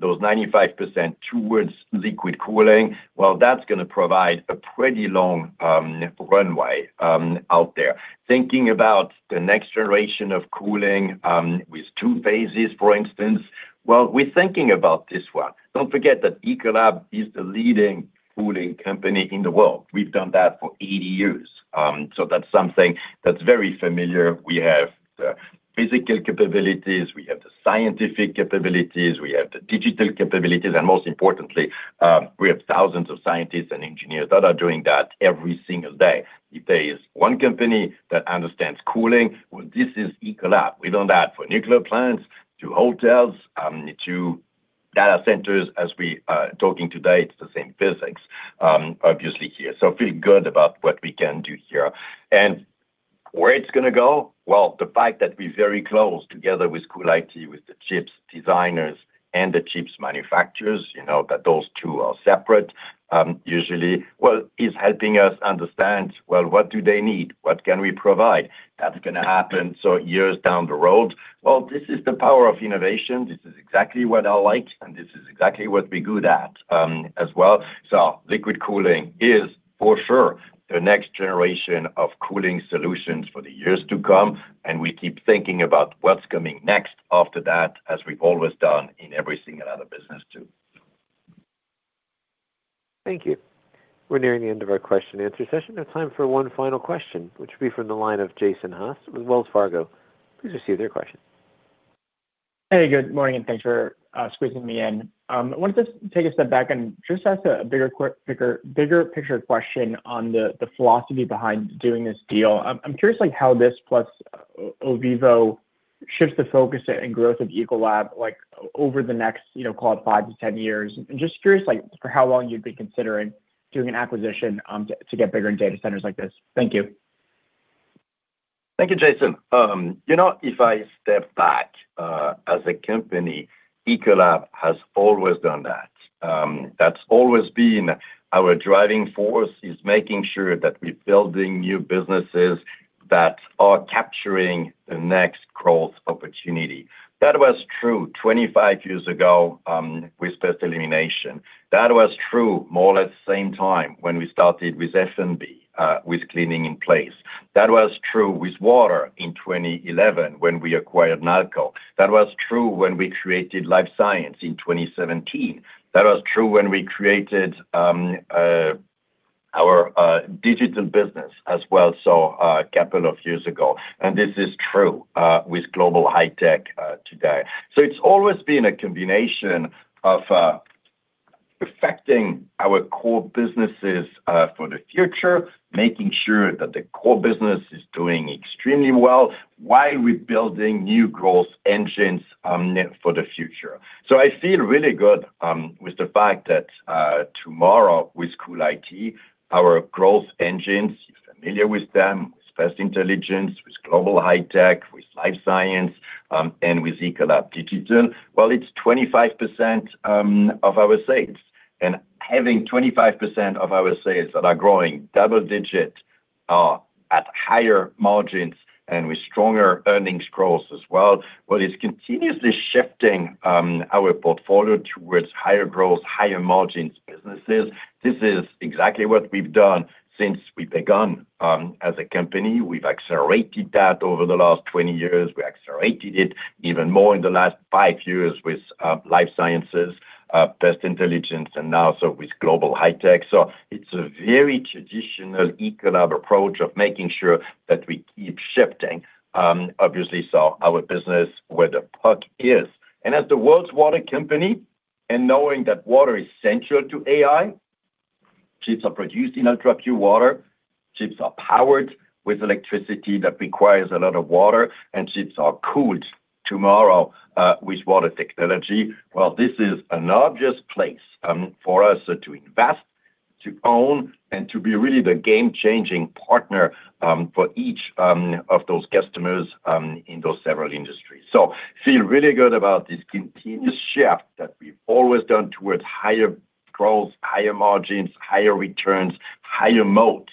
those 95% towards liquid cooling. Well, that's gonna provide a pretty long runway out there. Thinking about the next generation of cooling with two phases, for instance. Well, we're thinking about this one. Don't forget that Ecolab is the leading cooling company in the world. We've done that for 80 years. So that's something that's very familiar. We have the physical capabilities, we have the scientific capabilities, we have the digital capabilities, and most importantly, we have thousands of scientists and engineers that are doing that every single day. If there is one company that understands cooling, well, this is Ecolab. We've done that for nuclear plants to hotels to data centers as we are talking today. It's the same physics, obviously here. So feeling good about what we can do here. Where it's gonna go? Well, the fact that we're very close together with CoolIT, with the chip designers and the chip manufacturers, you know that those two are separate, usually, is helping us understand what do they need? What can we provide? That's gonna happen so years down the road. Well, this is the power of innovation. This is exactly what I like, and this is exactly what we're good at, as well. Liquid cooling is, for sure, the next generation of cooling solutions for the years to come, and we keep thinking about what's coming next after that, as we've always done in every single other business too. Thank you. We're nearing the end of our question-and-answer session. There's time for one final question, which will be from the line of Jason Haas with Wells Fargo. Please proceed with your question. Hey, good morning, and thanks for squeezing me in. I wanted to take a step back and just ask a bigger picture question on the philosophy behind doing this deal. I'm curious, like, how this plus Ovivo shifts the focus and growth of Ecolab, like, over the next, you know, call it 5-10 years. Just curious, like, for how long you'd be considering doing an acquisition to get bigger in data centers like this. Thank you. Thank you, Jason. You know, if I step back, as a company, Ecolab has always done that. That's always been our driving force is making sure that we're building new businesses that are capturing the next growth opportunity. That was true 25 years ago, with Pest Elimination. That was true more or less the same time when we started with F&B, with cleaning in place. That was true with water in 2011 when we acquired Nalco. That was true when we created Life Sciences in 2017. That was true when we created our digital business as well, so a couple of years ago, and this is true with Global High-Tech today. It's always been a combination of affecting our core businesses for the future, making sure that the core business is doing extremely well while rebuilding new growth engines for the future. I feel really good with the fact that Nalco with CoolIT, our growth engines, you're familiar with them, with Pest Intelligence, with Global High-Tech, with Life Sciences, and with Ecolab Digital. Well, it's 25% of our sales. Having 25% of our sales that are growing double-digit at higher margins and with stronger earnings growth as well, well, it's continuously shifting our portfolio towards higher growth, higher margins businesses. This is exactly what we've done since we began as a company. We've accelerated that over the last 20 years. We accelerated it even more in the last five years with Life Sciences, Pest Intelligence, and now so with Global High-Tech. It's a very traditional Ecolab approach of making sure that we keep shifting, obviously, so our business where the puck is. As the world's water company and knowing that water is central to AI, chips are produced in ultrapure water, chips are powered with electricity that requires a lot of water, and chips are cooled tomorrow with water technology. Well, this is an obvious place for us to invest, to own, and to be really the game-changing partner for each of those customers in those several industries. Feel really good about this continuous shift that we've always done towards higher growth, higher margins, higher returns, higher moat,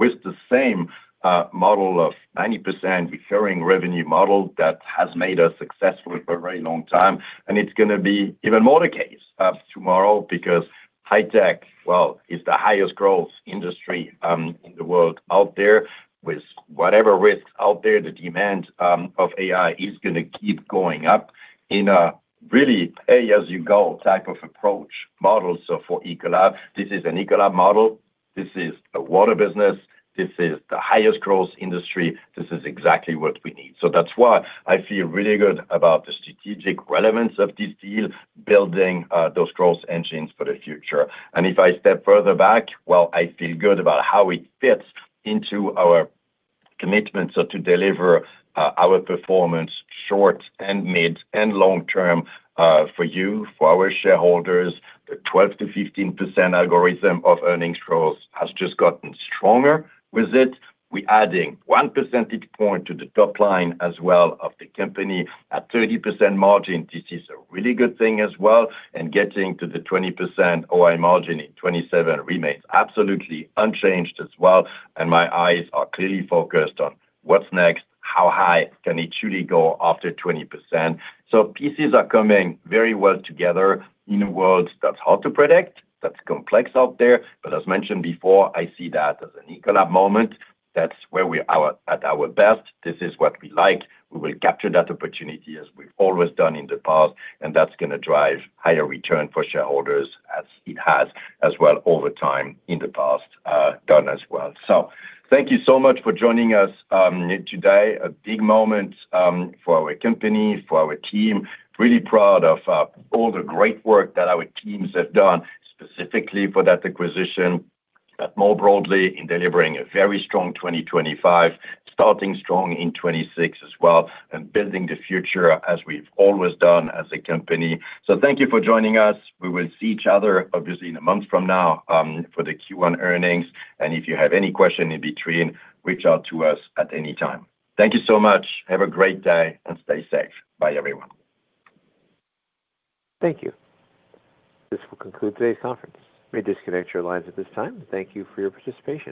with the same model of 90% recurring revenue model that has made us successful for a very long time. It's gonna be even more the case of tomorrow because high tech, well, is the highest growth industry in the world out there with whatever risks out there. The demand of AI is gonna keep going up in a really pay-as-you-go type of approach model. For Ecolab, this is an Ecolab model. This is a water business. This is the highest growth industry. This is exactly what we need. That's why I feel really good about the strategic relevance of this deal, building those growth engines for the future. If I step further back, well, I feel good about how it fits into our commitments to deliver our performance short and mid and long term for you, for our shareholders. The 12%-15% algorithm of earnings growth has just gotten stronger with it. We're adding 1 percentage point to the top line as well of the company at 30% margin. This is a really good thing as well, and getting to the 20% OI margin in 2027 remains absolutely unchanged as well. My eyes are clearly focused on what's next, how high can it truly go after 20%. Pieces are coming very well together in a world that's hard to predict, that's complex out there. As mentioned before, I see that as an Ecolab moment. That's where we're at our best. This is what we like. We will capture that opportunity as we've always done in the past, and that's gonna drive higher return for shareholders as it has as well over time in the past, done as well. Thank you so much for joining us, today. A big moment, for our company, for our team. Really proud of, all the great work that our teams have done specifically for that acquisition, but more broadly in delivering a very strong 2025, starting strong in 2026 as well, and building the future as we've always done as a company. Thank you for joining us. We will see each other obviously in a month from now, for the Q1 earnings. If you have any question in between, reach out to us at any time. Thank you so much. Have a great day and stay safe. Bye everyone. Thank you. This will conclude today's conference. You may disconnect your lines at this time. Thank you for your participation.